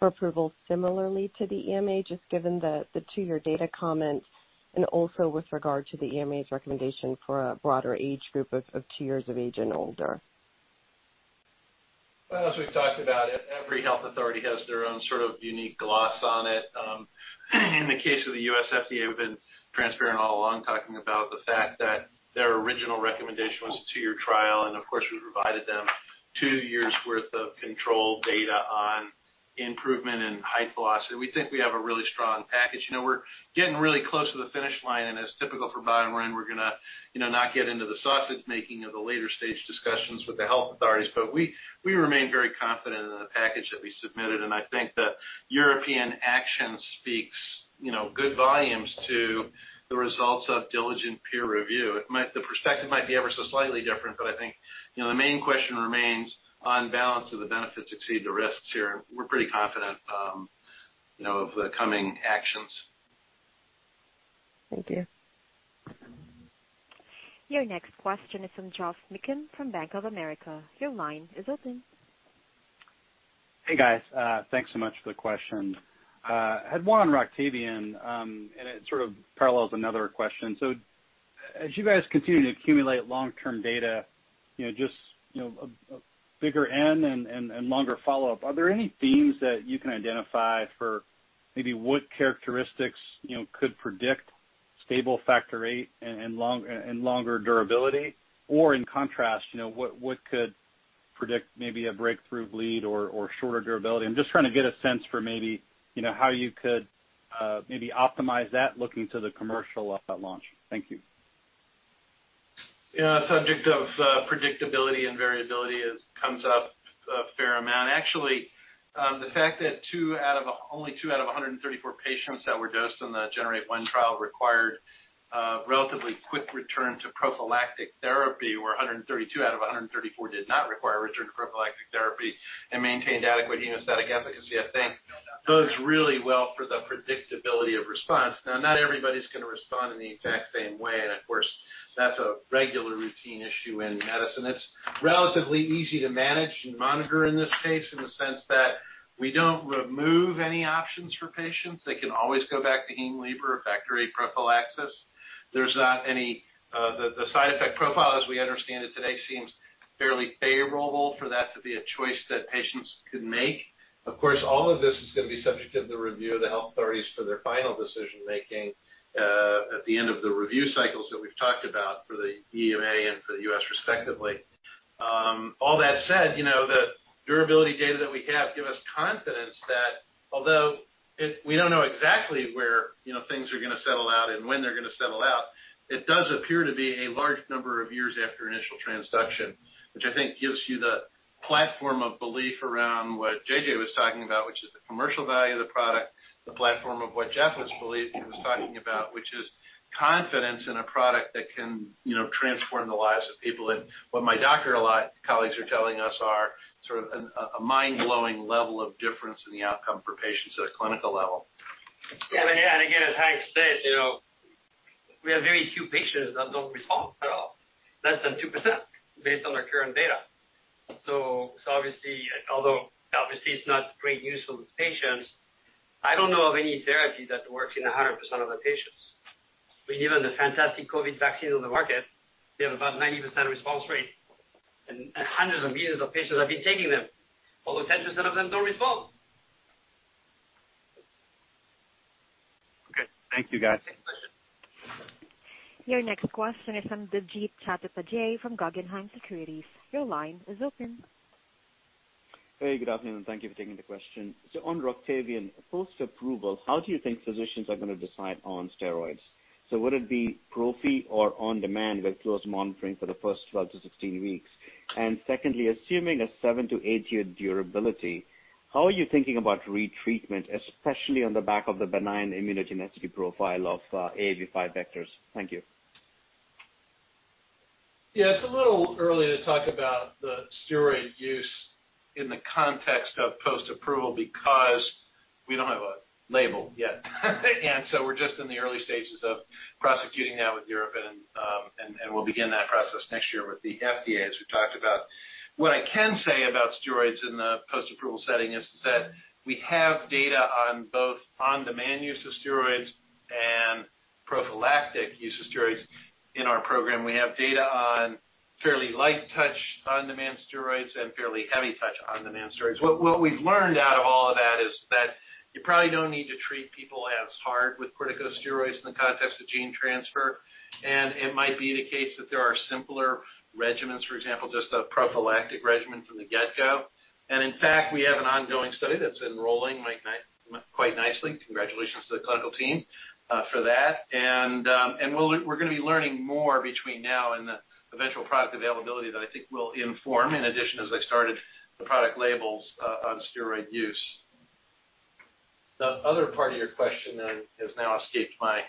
for approval similarly to the EMA, just given the two-year data comment, and also with regard to the EMA's recommendation for a broader age group of two years of age and older? As we've talked about, every health authority has their own sort of unique gloss on it. In the case of the U.S. FDA, we've been transparent all along talking about the fact that their original recommendation was a two-year trial, and of course, we provided them two years' worth of controlled data on improvement in height velocity. We think we have a really strong package. We're getting really close to the finish line, and as typical for BioMarin, we're going to not get into the sausage-making of the later stage discussions with the health authorities, but we remain very confident in the package that we submitted. I think the European action speaks good volumes to the results of diligent peer review. The perspective might be ever so slightly different, but I think the main question remains on balance of the benefits exceed the risks here, and we're pretty confident of the coming actions. Thank you. Your next question is from Geoff Meacham from Bank of America. Your line is open. Hey, guys. Thanks so much for the question. I had one on ROCTAVIAN, and it sort of parallels another question. So as you guys continue to accumulate long-term data, just a bigger N and longer follow-up, are there any themes that you can identify for maybe what characteristics could predict stable Factor VIII and longer durability? Or in contrast, what could predict maybe a breakthrough bleed or shorter durability? I'm just trying to get a sense for maybe how you could maybe optimize that looking to the commercial launch. Thank you. Yeah. The subject of predictability and variability comes up a fair amount. Actually, the fact that only two out of 134 patients that were dosed in the GENEr8-1 trial required relatively quick return to prophylactic therapy, where 132 out of 134 did not require return to prophylactic therapy and maintained adequate hemostatic efficacy, I think, does really well for the predictability of response. Now, not everybody's going to respond in the exact same way, and of course, that's a regular routine issue in medicine. It's relatively easy to manage and monitor in this case in the sense that we don't remove any options for patients. They can always go back to Hemlibra or Factor VIII prophylaxis. There's not any. The side effect profile, as we understand it today, seems fairly favorable for that to be a choice that patients can make. Of course, all of this is going to be subject to the review of the health authorities for their final decision-making at the end of the review cycles that we've talked about for the EMA and for the U.S. respectively. All that said, the durability data that we have gives us confidence that although we don't know exactly where things are going to settle out and when they're going to settle out, it does appear to be a large number of years after initial transduction, which I think gives you the platform of belief around what J.J. was talking about, which is the commercial value of the product, the platform of what Jeff was talking about, which is confidence in a product that can transform the lives of people. What my doctor colleagues are telling us are sort of a mind-blowing level of difference in the outcome for patients at a clinical level. Yeah. And again, as Hank said, we have very few patients that don't respond at all, less than 2% based on our current data. So obviously, although obviously it's not great news for those patients, I don't know of any therapy that works in 100% of the patients. I mean, even the fantastic COVID vaccine on the market, they have about 90% response rate, and hundreds of millions of patients have been taking them, although 10% of them don't respond. Okay. Thank you, guys. Your next question is from Debjit Chattopadhyay from Guggenheim Securities. Your line is open. Hey, good afternoon, and thank you for taking the question. So on ROCTAVIAN, post-approval, how do you think physicians are going to decide on steroids? So would it be prophy or on-demand with close monitoring for the first 12 weeks-16 weeks? And secondly, assuming a 7 year-8-year durability, how are you thinking about retreatment, especially on the back of the benign immunogenicity profile of AAV5 vectors? Thank you. Yeah. It's a little early to talk about the steroid use in the context of post-approval because we don't have a label yet, and so we're just in the early stages of prosecuting that with Europe, and we'll begin that process next year with the FDA, as we talked about. What I can say about steroids in the post-approval setting is that we have data on both on-demand use of steroids and prophylactic use of steroids in our program. We have data on fairly light-touch on-demand steroids and fairly heavy-touch on-demand steroids. What we've learned out of all of that is that you probably don't need to treat people as hard with corticosteroids in the context of gene transfer, and it might be the case that there are simpler regimens, for example, just a prophylactic regimen from the get-go. In fact, we have an ongoing study that's enrolling quite nicely. Congratulations to the clinical team for that. We're going to be learning more between now and the eventual product availability that I think will inform, in addition, as I started the product labels on steroid use. The other part of your question then has now escaped my.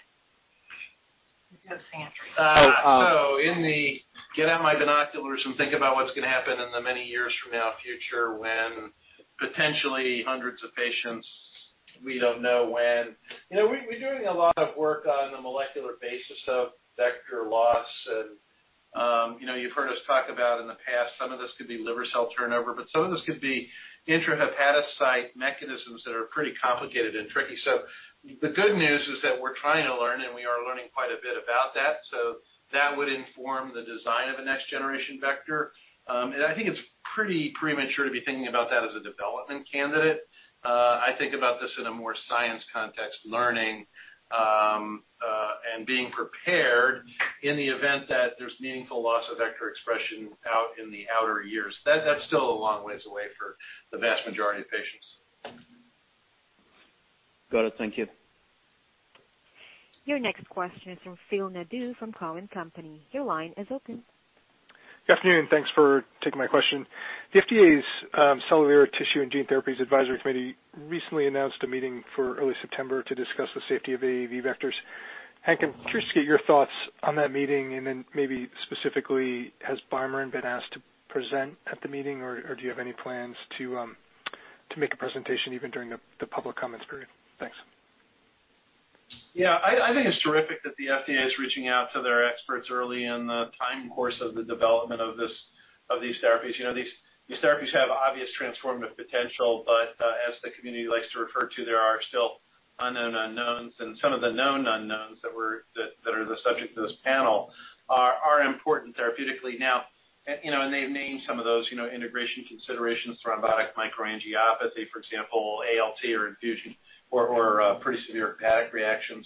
You have a second, Hank. So, to get out my binoculars and think about what's going to happen in the many years from now, future, when potentially hundreds of patients—we don't know when. We're doing a lot of work on the molecular basis of vector loss, and you've heard us talk about in the past, some of this could be liver cell turnover, but some of this could be intrahepatocyte mechanisms that are pretty complicated and tricky. The good news is that we're trying to learn, and we are learning quite a bit about that. That would inform the design of a next-generation vector. I think it's pretty premature to be thinking about that as a development candidate. I think about this in a more science context, learning and being prepared in the event that there's meaningful loss of vector expression out in the outer years. That's still a long ways away for the vast majority of patients. Got it. Thank you. Your next question is from Phil Nadeau from Cowen and Company. Your line is open. Good afternoon. Thanks for taking my question. The FDA's Cellular Tissue and Gene Therapies Advisory Committee recently announced a meeting for early September to discuss the safety of AAV vectors. Hank, I'm curious to get your thoughts on that meeting and then maybe specifically, has BioMarin been asked to present at the meeting, or do you have any plans to make a presentation even during the public comments period? Thanks. Yeah. I think it's terrific that the FDA is reaching out to their experts early in the time course of the development of these therapies. These therapies have obvious transformative potential, but as the community likes to refer to, there are still unknown unknowns, and some of the known unknowns that are the subject of this panel are important therapeutically now, and they've named some of those integration considerations, thrombotic microangiopathy, for example, ALT or infusion, or pretty severe hepatic reactions.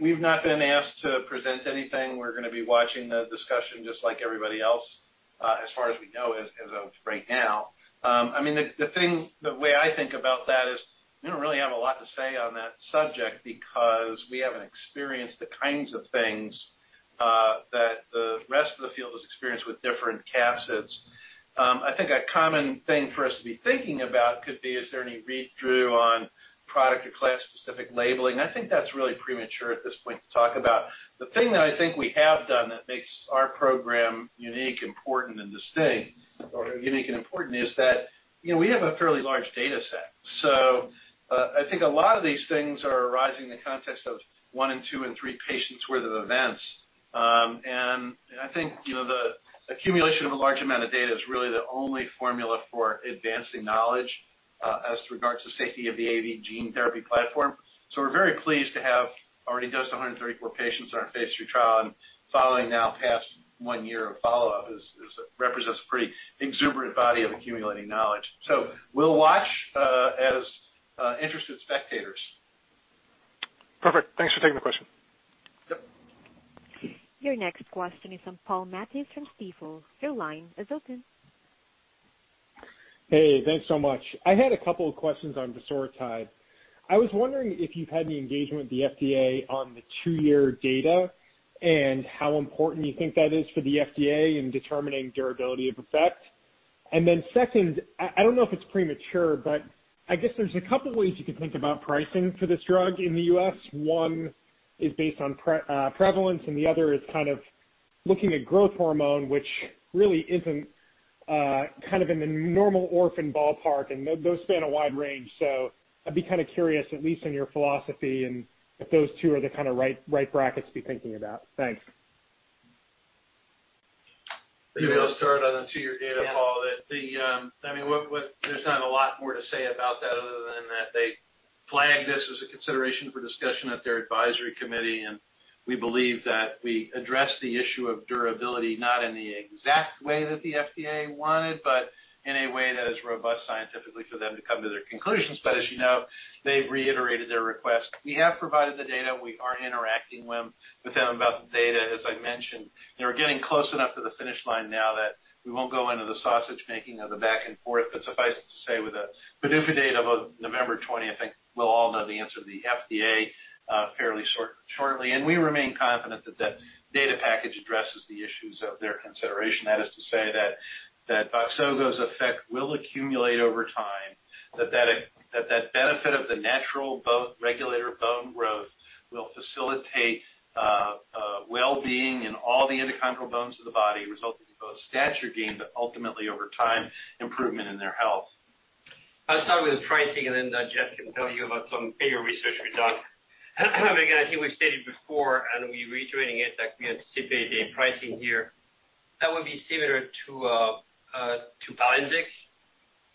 We've not been asked to present anything. We're going to be watching the discussion just like everybody else, as far as we know, as of right now. I mean, the way I think about that is we don't really have a lot to say on that subject because we haven't experienced the kinds of things that the rest of the field has experienced with different capsids. I think a common thing for us to be thinking about could be, is there any read-through on product or class-specific labeling? I think that's really premature at this point to talk about. The thing that I think we have done that makes our program unique, important, and distinct, or unique and important, is that we have a fairly large data set. So I think a lot of these things are arising in the context of one and two and three patients' worth of events. And I think the accumulation of a large amount of data is really the only formula for advancing knowledge as regards to the safety of the AAV gene therapy platform. So we're very pleased to have already dosed 134 patients in our Phase III trial, and following now past one year of follow-up represents a pretty exuberant body of accumulating knowledge. We'll watch as interested spectators. Perfect. Thanks for taking the question. Yep. Your next question is from Paul Matteis from Stifel. Your line is open. Hey, thanks so much. I had a couple of questions on vosoritide. I was wondering if you've had any engagement with the FDA on the two-year data and how important you think that is for the FDA in determining durability of effect. And then second, I don't know if it's premature, but I guess there's a couple of ways you can think about pricing for this drug in the U.S. One is based on prevalence, and the other is kind of looking at growth hormone, which really isn't kind of in the normal orphan ballpark, and those span a wide range. So I'd be kind of curious, at least in your philosophy, if those two are the kind of right brackets to be thinking about. Thanks. Maybe I'll start on the two-year data, Paul. I mean, there's not a lot more to say about that other than that they flagged this as a consideration for discussion at their advisory committee, and we believe that we addressed the issue of durability not in the exact way that the FDA wanted, but in a way that is robust scientifically for them to come to their conclusions. But as you know, they've reiterated their request. We have provided the data. We are interacting with them about the data. As I mentioned, they're getting close enough to the finish line now that we won't go into the sausage-making of the back and forth. But suffice it to say, with the PDUFA of November 20th, I think we'll all know the answer to the FDA fairly shortly. And we remain confident that that data package addresses the issues of their consideration. That is to say that VOXZOGO's effect will accumulate over time, that that benefit of the natural regulator bone growth will facilitate well-being in all the endochondral bones of the body, resulting in both stature gain, but ultimately, over time, improvement in their health. Let's start with the pricing, and then Jeff can tell you about some bigger research we've done. Again, I think we've stated before, and we're reiterating it that we anticipate a pricing here that would be similar to Palynziq,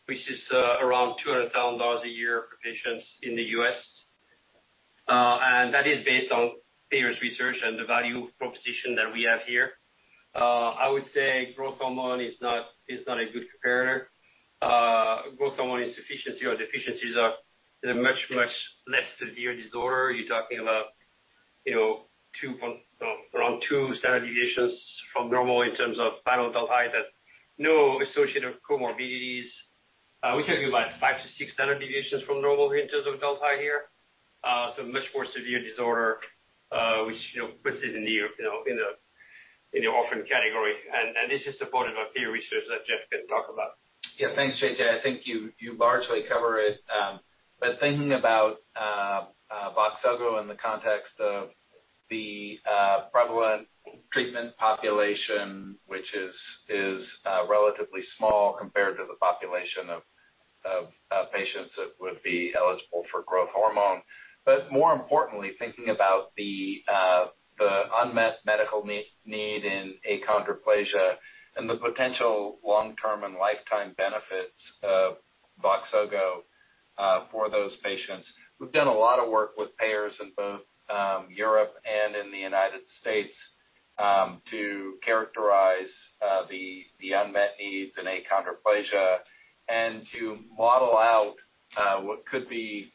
which is around $200,000 a year for patients in the U.S., and that is based on previous research and the value proposition that we have here. I would say growth hormone is not a good comparator. Growth hormone insufficiency or deficiencies are a much, much less severe disorder. You're talking about around two standard deviations from normal in terms of final delta height. There's no associated comorbidities. We're talking about five to six standard deviations from normal in terms of delta height here. So much more severe disorder, which puts it in the orphan category, and this is supported by peer research that Jeff can talk about. Yeah. Thanks, J.J. I think you largely cover it. But thinking about VOXZOGO in the context of the prevalent treatment population, which is relatively small compared to the population of patients that would be eligible for growth hormone. But more importantly, thinking about the unmet medical need in achondroplasia and the potential long-term and lifetime benefits of VOXZOGO for those patients. We've done a lot of work with payers in both Europe and in the United States to characterize the unmet needs in achondroplasia and to model out what could be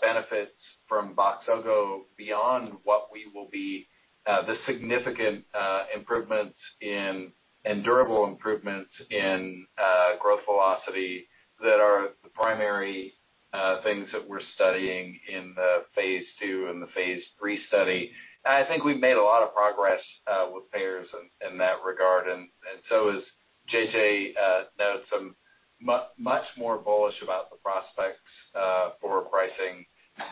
benefits from VOXZOGO beyond what we will be the significant improvements and durable improvements in growth velocity that are the primary things that we're studying in the Phase II and the Phase III study. I think we've made a lot of progress with payers in that regard. And so as J.J. I'm much more bullish about the prospects for pricing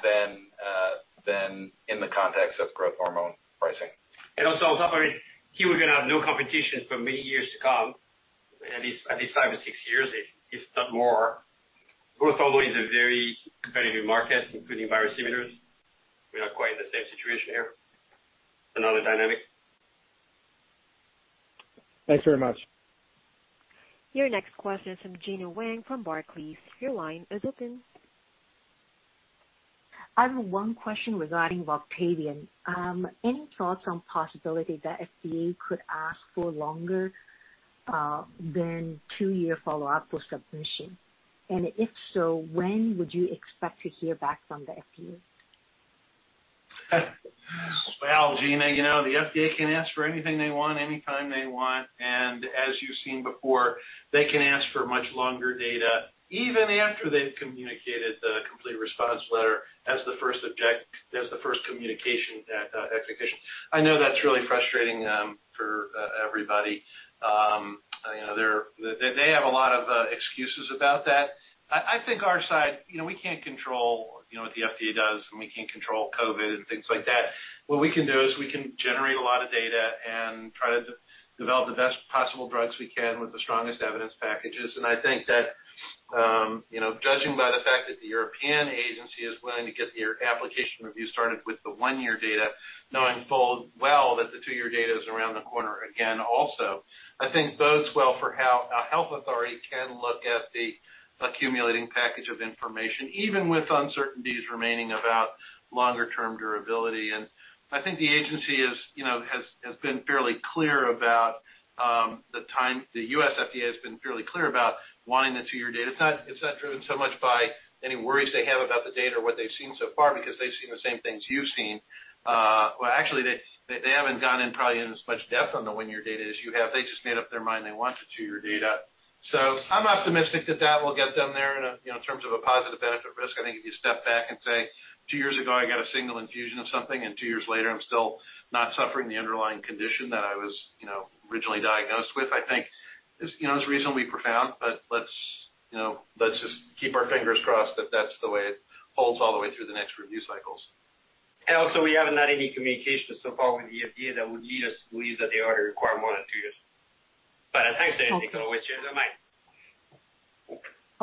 than in the context of growth hormone pricing. And also on top of it, here we're going to have no competition for many years to come, at least five or six years, if not more. Growth hormone is a very competitive market, including biosimilars. We're not quite in the same situation here. Another dynamic. Thanks very much. Your next question is from Gena Wang from Barclays. Your line is open. I have one question regarding ROCTAVIAN. Any thoughts on the possibility that the FDA could ask for longer than two-year follow-up for submission? And if so, when would you expect to hear back from the FDA? Gena, the FDA can ask for anything they want anytime they want. And as you've seen before, they can ask for much longer data, even after they've communicated the complete response letter as the first communication at execution. I know that's really frustrating for everybody. They have a lot of excuses about that. I think our side, we can't control what the FDA does, and we can't control COVID and things like that. What we can do is we can generate a lot of data and try to develop the best possible drugs we can with the strongest evidence packages. I think that judging by the fact that the European agency is willing to get their application review started with the one-year data, knowing full well that the two-year data is around the corner again also, I think bodes well for how a health authority can look at the accumulating package of information, even with uncertainties remaining about longer-term durability. I think the U.S. FDA has been fairly clear about wanting the two-year data. It's not driven so much by any worries they have about the data or what they've seen so far because they've seen the same things you've seen. Actually, they haven't gone in probably in as much depth on the one-year data as you have. They just made up their mind they want the two-year data. So I'm optimistic that that will get them there in terms of a positive benefit-risk. I think if you step back and say, "Two years ago, I got a single infusion of something, and two years later, I'm still not suffering the underlying condition that I was originally diagnosed with," I think is reasonably profound. But let's just keep our fingers crossed that that's the way it holds all the way through the next review cycles. Also, we haven't had any communication so far with the FDA that would lead us to believe that they are going to require more than two years, But thanks, J.J., for always changing your mind.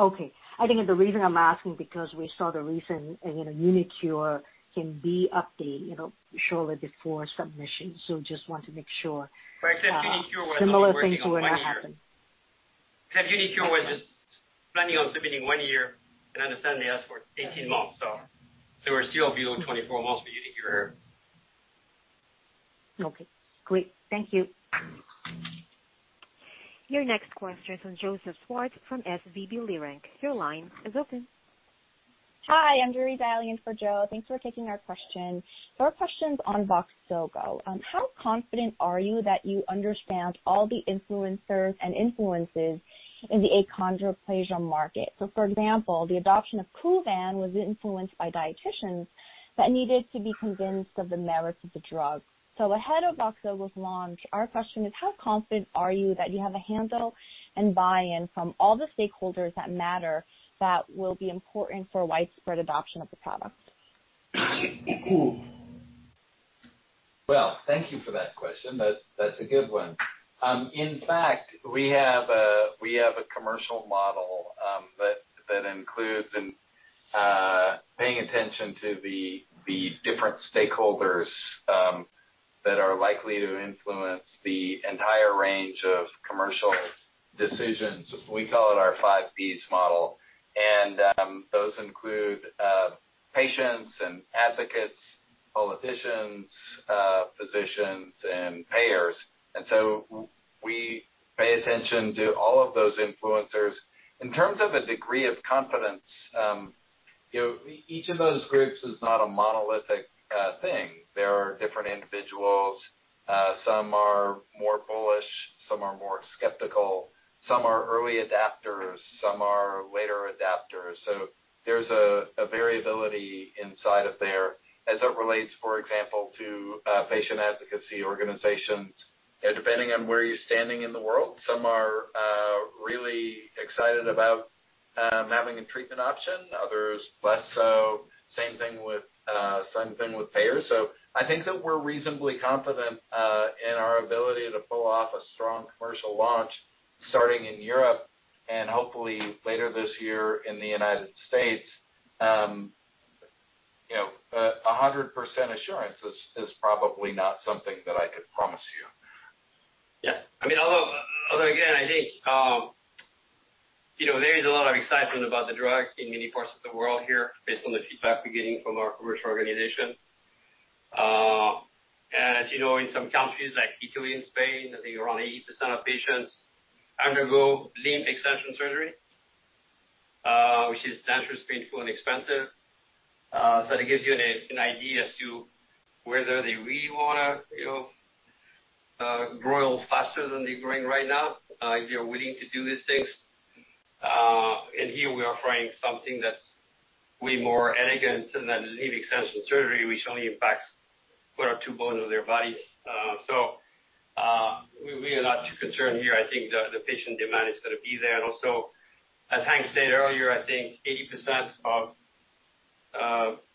Okay. I think the reason I'm asking is because we saw the recent uniQure can be updated shortly before submission, so just want to make sure. Right. Since uniQure wasn't implicated. Similar things will not happen. Since uniQure was just planning on submitting one year, and I understand they asked for 18 months. So we're still below 24 months for uniQure here. Okay. Great. Thank you. Your next question is from Joseph Schwartz from SVB Leerink. Your line is open. Hi. I'm Joori Park for Joe. Thanks for taking our question. So our question is on VOXZOGO. How confident are you that you understand all the influencers and influences in the achondroplasia market? So for example, the adoption of Kuvan was influenced by dietitians that needed to be convinced of the merits of the drug. So ahead of VOXZOGO's launch, our question is, how confident are you that you have a handle and buy-in from all the stakeholders that matter that will be important for widespread adoption of the product? Thank you for that question. That's a good one. In fact, we have a commercial model that includes paying attention to the different stakeholders that are likely to influence the entire range of commercial decisions. We call it our 5 Ps model. Those include patients and advocates, politicians, physicians, and payers. So we pay attention to all of those influencers. In terms of a degree of confidence, each of those groups is not a monolithic thing. There are different individuals. Some are more bullish. Some are more skeptical. Some are early adopters. Some are later adopters. There's a variability inside of there as it relates, for example, to patient advocacy organizations. Depending on where you're standing in the world, some are really excited about having a treatment option. Others, less so. Same thing with payers. So I think that we're reasonably confident in our ability to pull off a strong commercial launch starting in Europe and hopefully later this year in the United States. 100% assurance is probably not something that I could promise you. Yeah. I mean, although again, I think there is a lot of excitement about the drug in many parts of the world here based on the feedback we're getting from our commercial organization, and as you know, in some countries like Italy and Spain, I think around 80% of patients undergo limb extension surgery, which is dangerous, painful, and expensive, so that gives you an idea as to whether they really want to grow faster than they're growing right now if they're willing to do these things, and here, we are offering something that's way more elegant than limb extension surgery, which only impacts one or two bones of their bodies, so we are not too concerned here, I think the patient demand is going to be there, and also, as Hank said earlier, I think 80% of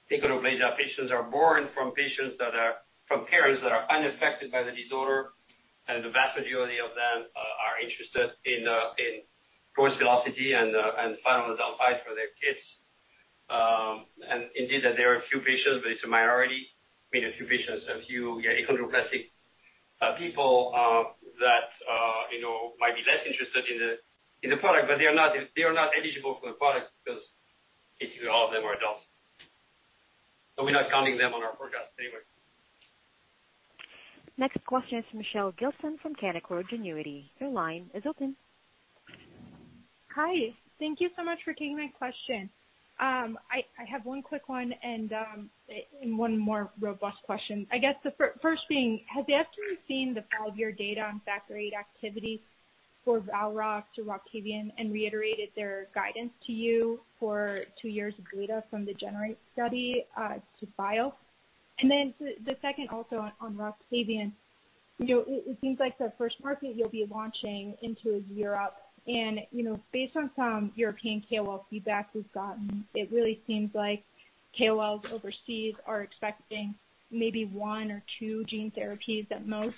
achondroplasia patients are born from parents that are unaffected by the disorder. The vast majority of them are interested in growth velocity and final delta height for their kids. Indeed, there are a few patients, but it's a minority. I mean, a few patients, a few achondroplastic people that might be less interested in the product, but they are not eligible for the product because basically all of them are adults. We're not counting them on our forecast anyway. Next question is from Michelle Gilson from Canaccord Genuity. Your line is open. Hi. Thank you so much for taking my question. I have one quick one and one more robust question. I guess the first being, have they actually seen the five-year data on Factor VIII activity for valoctocogene roxaparvovec, ROCTAVIAN and reiterated their guidance to you for two years of data from the GENEr8-1 study to Bio? And then the second also on ROCTAVIAN, it seems like the first market you'll be launching into is Europe. And based on some European KOL feedback we've gotten, it really seems like KOLs overseas are expecting maybe one or two gene therapies at most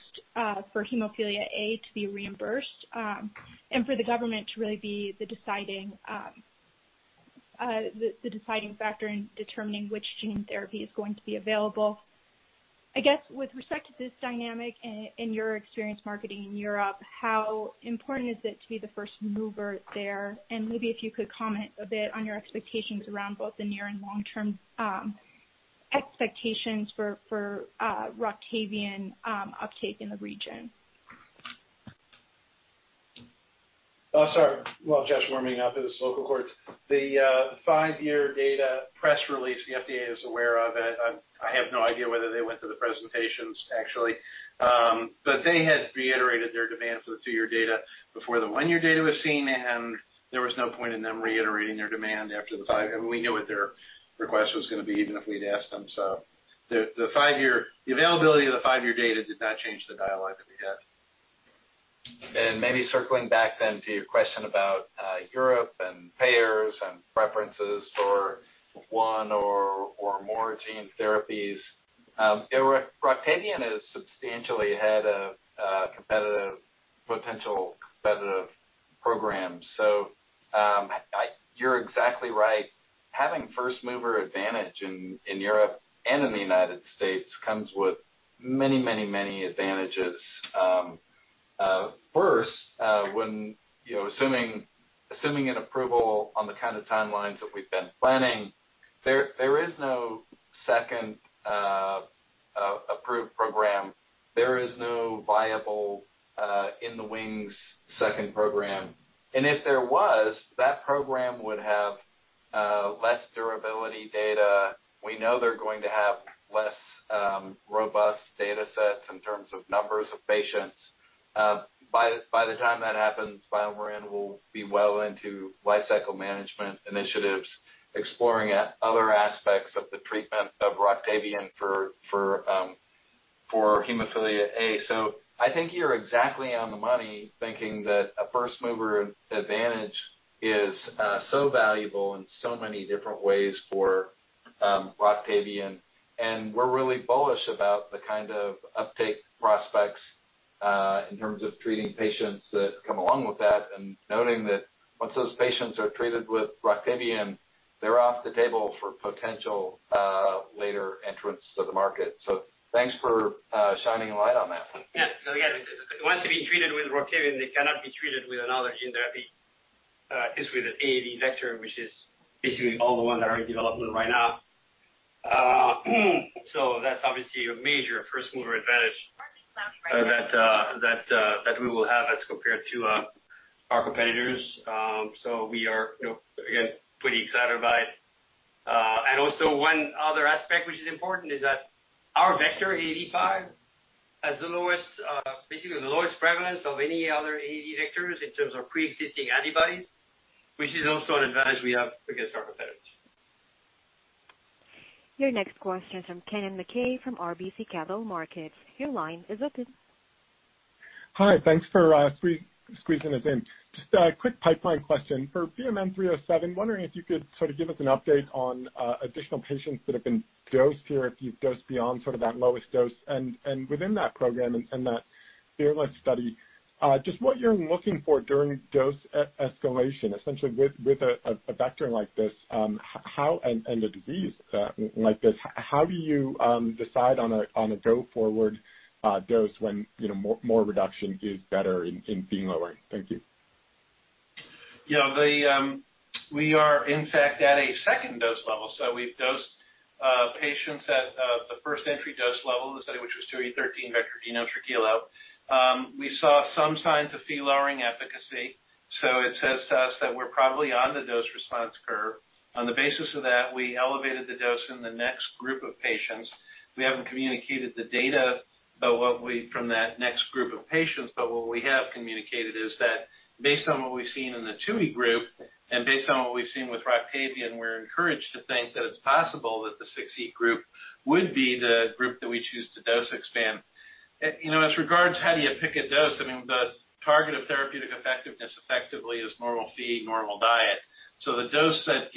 for hemophilia A to be reimbursed and for the government to really be the deciding factor in determining which gene therapy is going to be available. I guess with respect to this dynamic and your experience marketing in Europe, how important is it to be the first mover there? Maybe if you could comment a bit on your expectations around both the near and long-term expectations for ROCTAVIAN uptake in the region? Oh, sorry. Well, just warming up as local time. The five-year data press release, the FDA is aware of. I have no idea whether they went to the presentations, actually. But they had reiterated their demand for the two-year data before the one-year data was seen. And there was no point in them reiterating their demand after the five. I mean, we knew what their request was going to be even if we'd asked them. So the availability of the five-year data did not change the dialogue that we had. Maybe circling back then to your question about Europe and payers and preferences for one or more gene therapies, ROCTAVIAN is substantially ahead of potential competitive programs. You're exactly right. Having first mover advantage in Europe and in the United States comes with many, many, many advantages. First, assuming an approval on the kind of timelines that we've been planning, there is no second approved program. There is no viable in-the-wings second program. And if there was, that program would have less durability data. We know they're going to have less robust data sets in terms of numbers of patients. By the time that happens, BioMarin will be well into life cycle management initiatives exploring other aspects of the treatment of ROCTAVIAN for hemophilia A. So I think you're exactly on the money thinking that a first mover advantage is so valuable in so many different ways for ROCTAVIAN. And we're really bullish about the kind of uptake prospects in terms of treating patients that come along with that and noting that once those patients are treated with ROCTAVIAN, they're off the table for potential later entrance to the market. So thanks for shining a light on that. Yeah. So again, once they've been treated with ROCTAVIAN, they cannot be treated with another gene therapy at least with the AAV vector, which is basically all the ones that are in development right now. So that's obviously a major first mover advantage. So that we will have as compared to our competitors. So we are, again, pretty excited about it. And also one other aspect which is important is that our vector, AAV5, has basically the lowest prevalence of any other AAV vectors in terms of pre-existing antibodies, which is also an advantage we have against our competitors. Your next question is from Kennen MacKay from RBC Capital Markets. Your line is open. Hi. Thanks for squeezing us in. Just a quick pipeline question. For BMN 307, wondering if you could sort of give us an update on additional patients that have been dosed here if you've dosed beyond sort of that lowest dose. And within that program and that first-in-human study, just what you're looking for during dose escalation, essentially with a vector like this, and a disease like this, how do you decide on a go-forward dose when more reduction is better in Phe lowering? Thank you. Yeah. We are, in fact, at a second dose level. So we've dosed patients at the first entry dose level, the study which was 2e13 vector genomes per kg. We saw some signs of Phe lowering efficacy. So it says to us that we're probably on the dose response curve. On the basis of that, we elevated the dose in the next group of patients. We haven't communicated the data from that next group of patients, but what we have communicated is that based on what we've seen in the 2e group and based on what we've seen with ROCTAVIAN, we're encouraged to think that it's possible that the 6e group would be the group that we choose to dose expand. As regards to how do you pick a dose, I mean, the target of therapeutic effectiveness effectively is normal Phe, normal diet. The dose that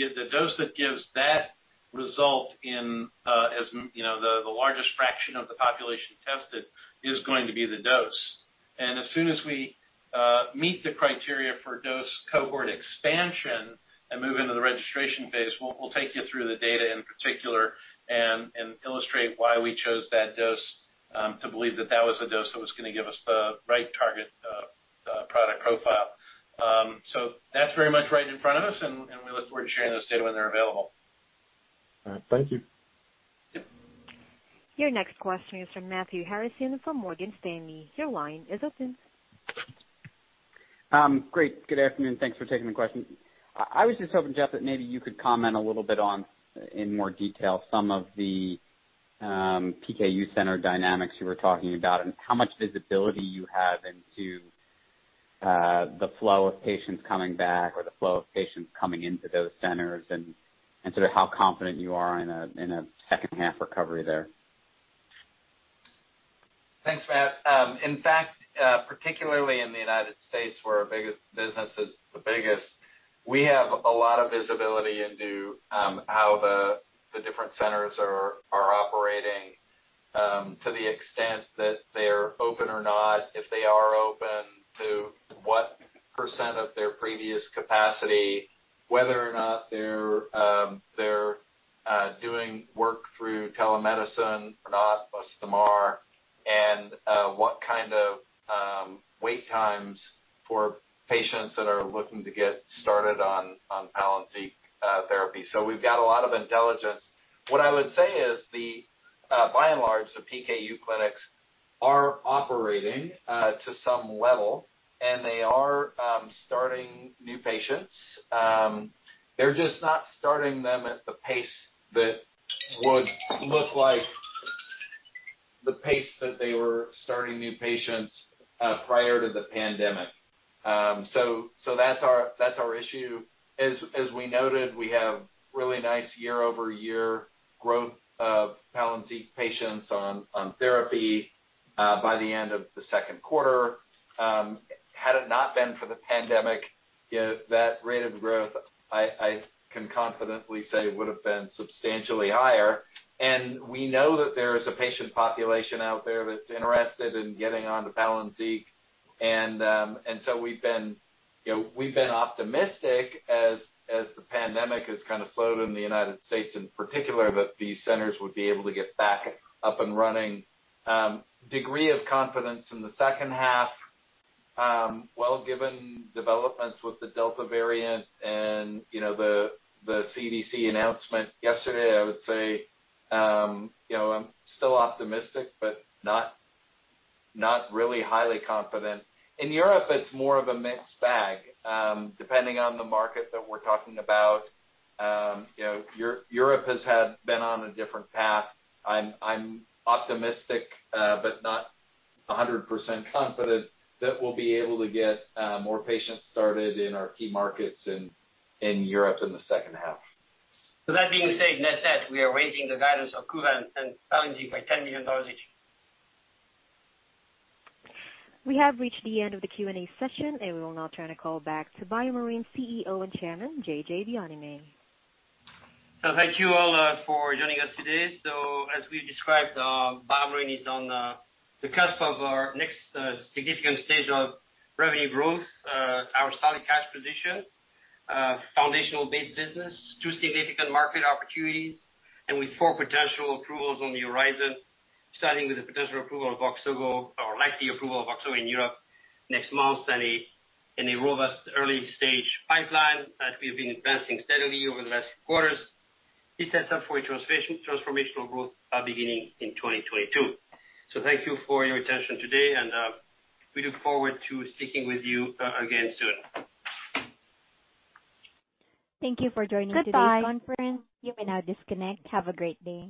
gives that result in the largest fraction of the population tested is going to be the dose. And as soon as we meet the criteria for dose cohort expansion and move into the registration phase, we'll take you through the data in particular and illustrate why we chose that dose to believe that that was the dose that was going to give us the right target product profile. That's very much right in front of us, and we look forward to sharing those data when they're available. All right. Thank you. Your next question is from Matthew Harrison from Morgan Stanley. Your line is open. Great. Good afternoon. Thanks for taking the question. I was just hoping, Jeff, that maybe you could comment a little bit on, in more detail, some of the PKU center dynamics you were talking about and how much visibility you have into the flow of patients coming back or the flow of patients coming into those centers and sort of how confident you are in a second-half recovery there. Thanks, Matt. In fact, particularly in the United States, where our business is the biggest, we have a lot of visibility into how the different centers are operating to the extent that they're open or not, if they are open, to what percent of their previous capacity, whether or not they're doing work through telemedicine or not, plus the MRs, and what kind of wait times for patients that are looking to get started on Palynziq therapy. So we've got a lot of intelligence. What I would say is, by and large, the PKU clinics are operating to some level, and they are starting new patients. They're just not starting them at the pace that would look like the pace that they were starting new patients prior to the pandemic. So that's our issue. As we noted, we have really nice year-over-year growth of Palynziq patients on therapy by the end of the second quarter. Had it not been for the pandemic, that rate of growth, I can confidently say, would have been substantially higher. We know that there is a patient population out there that's interested in getting onto Palynziq. We've been optimistic as the pandemic has kind of slowed in the United States in particular that these centers would be able to get back up and running. Degree of confidence in the second half, well, given developments with the Delta variant and the CDC announcement yesterday, I would say I'm still optimistic, but not really highly confident. In Europe, it's more of a mixed bag depending on the market that we're talking about. Europe has been on a different path. I'm optimistic, but not 100% confident that we'll be able to get more patients started in our key markets in Europe in the second half. That being said, net net, we are raising the guidance of Kuvan and Palynziq by $10 million each. We have reached the end of the Q&A session, and we will now turn the call back to BioMarin CEO and Chairman, J.J. Bienaimé. Thank you all for joining us today. As we've described, BioMarin is on the cusp of our next significant stage of revenue growth, our solid cash position, foundational-based business, two significant market opportunities, and with four potential approvals on the horizon, starting with the potential approval of VOXZOGO or likely approval of VOXZOGO in Europe next month and a robust early-stage pipeline that we have been advancing steadily over the last few quarters. This sets up for a transformational growth beginning in 2022. Thank you for your attention today, and we look forward to speaking with you again soon. Thank you for joining today's conference. You may now disconnect. Have a great day.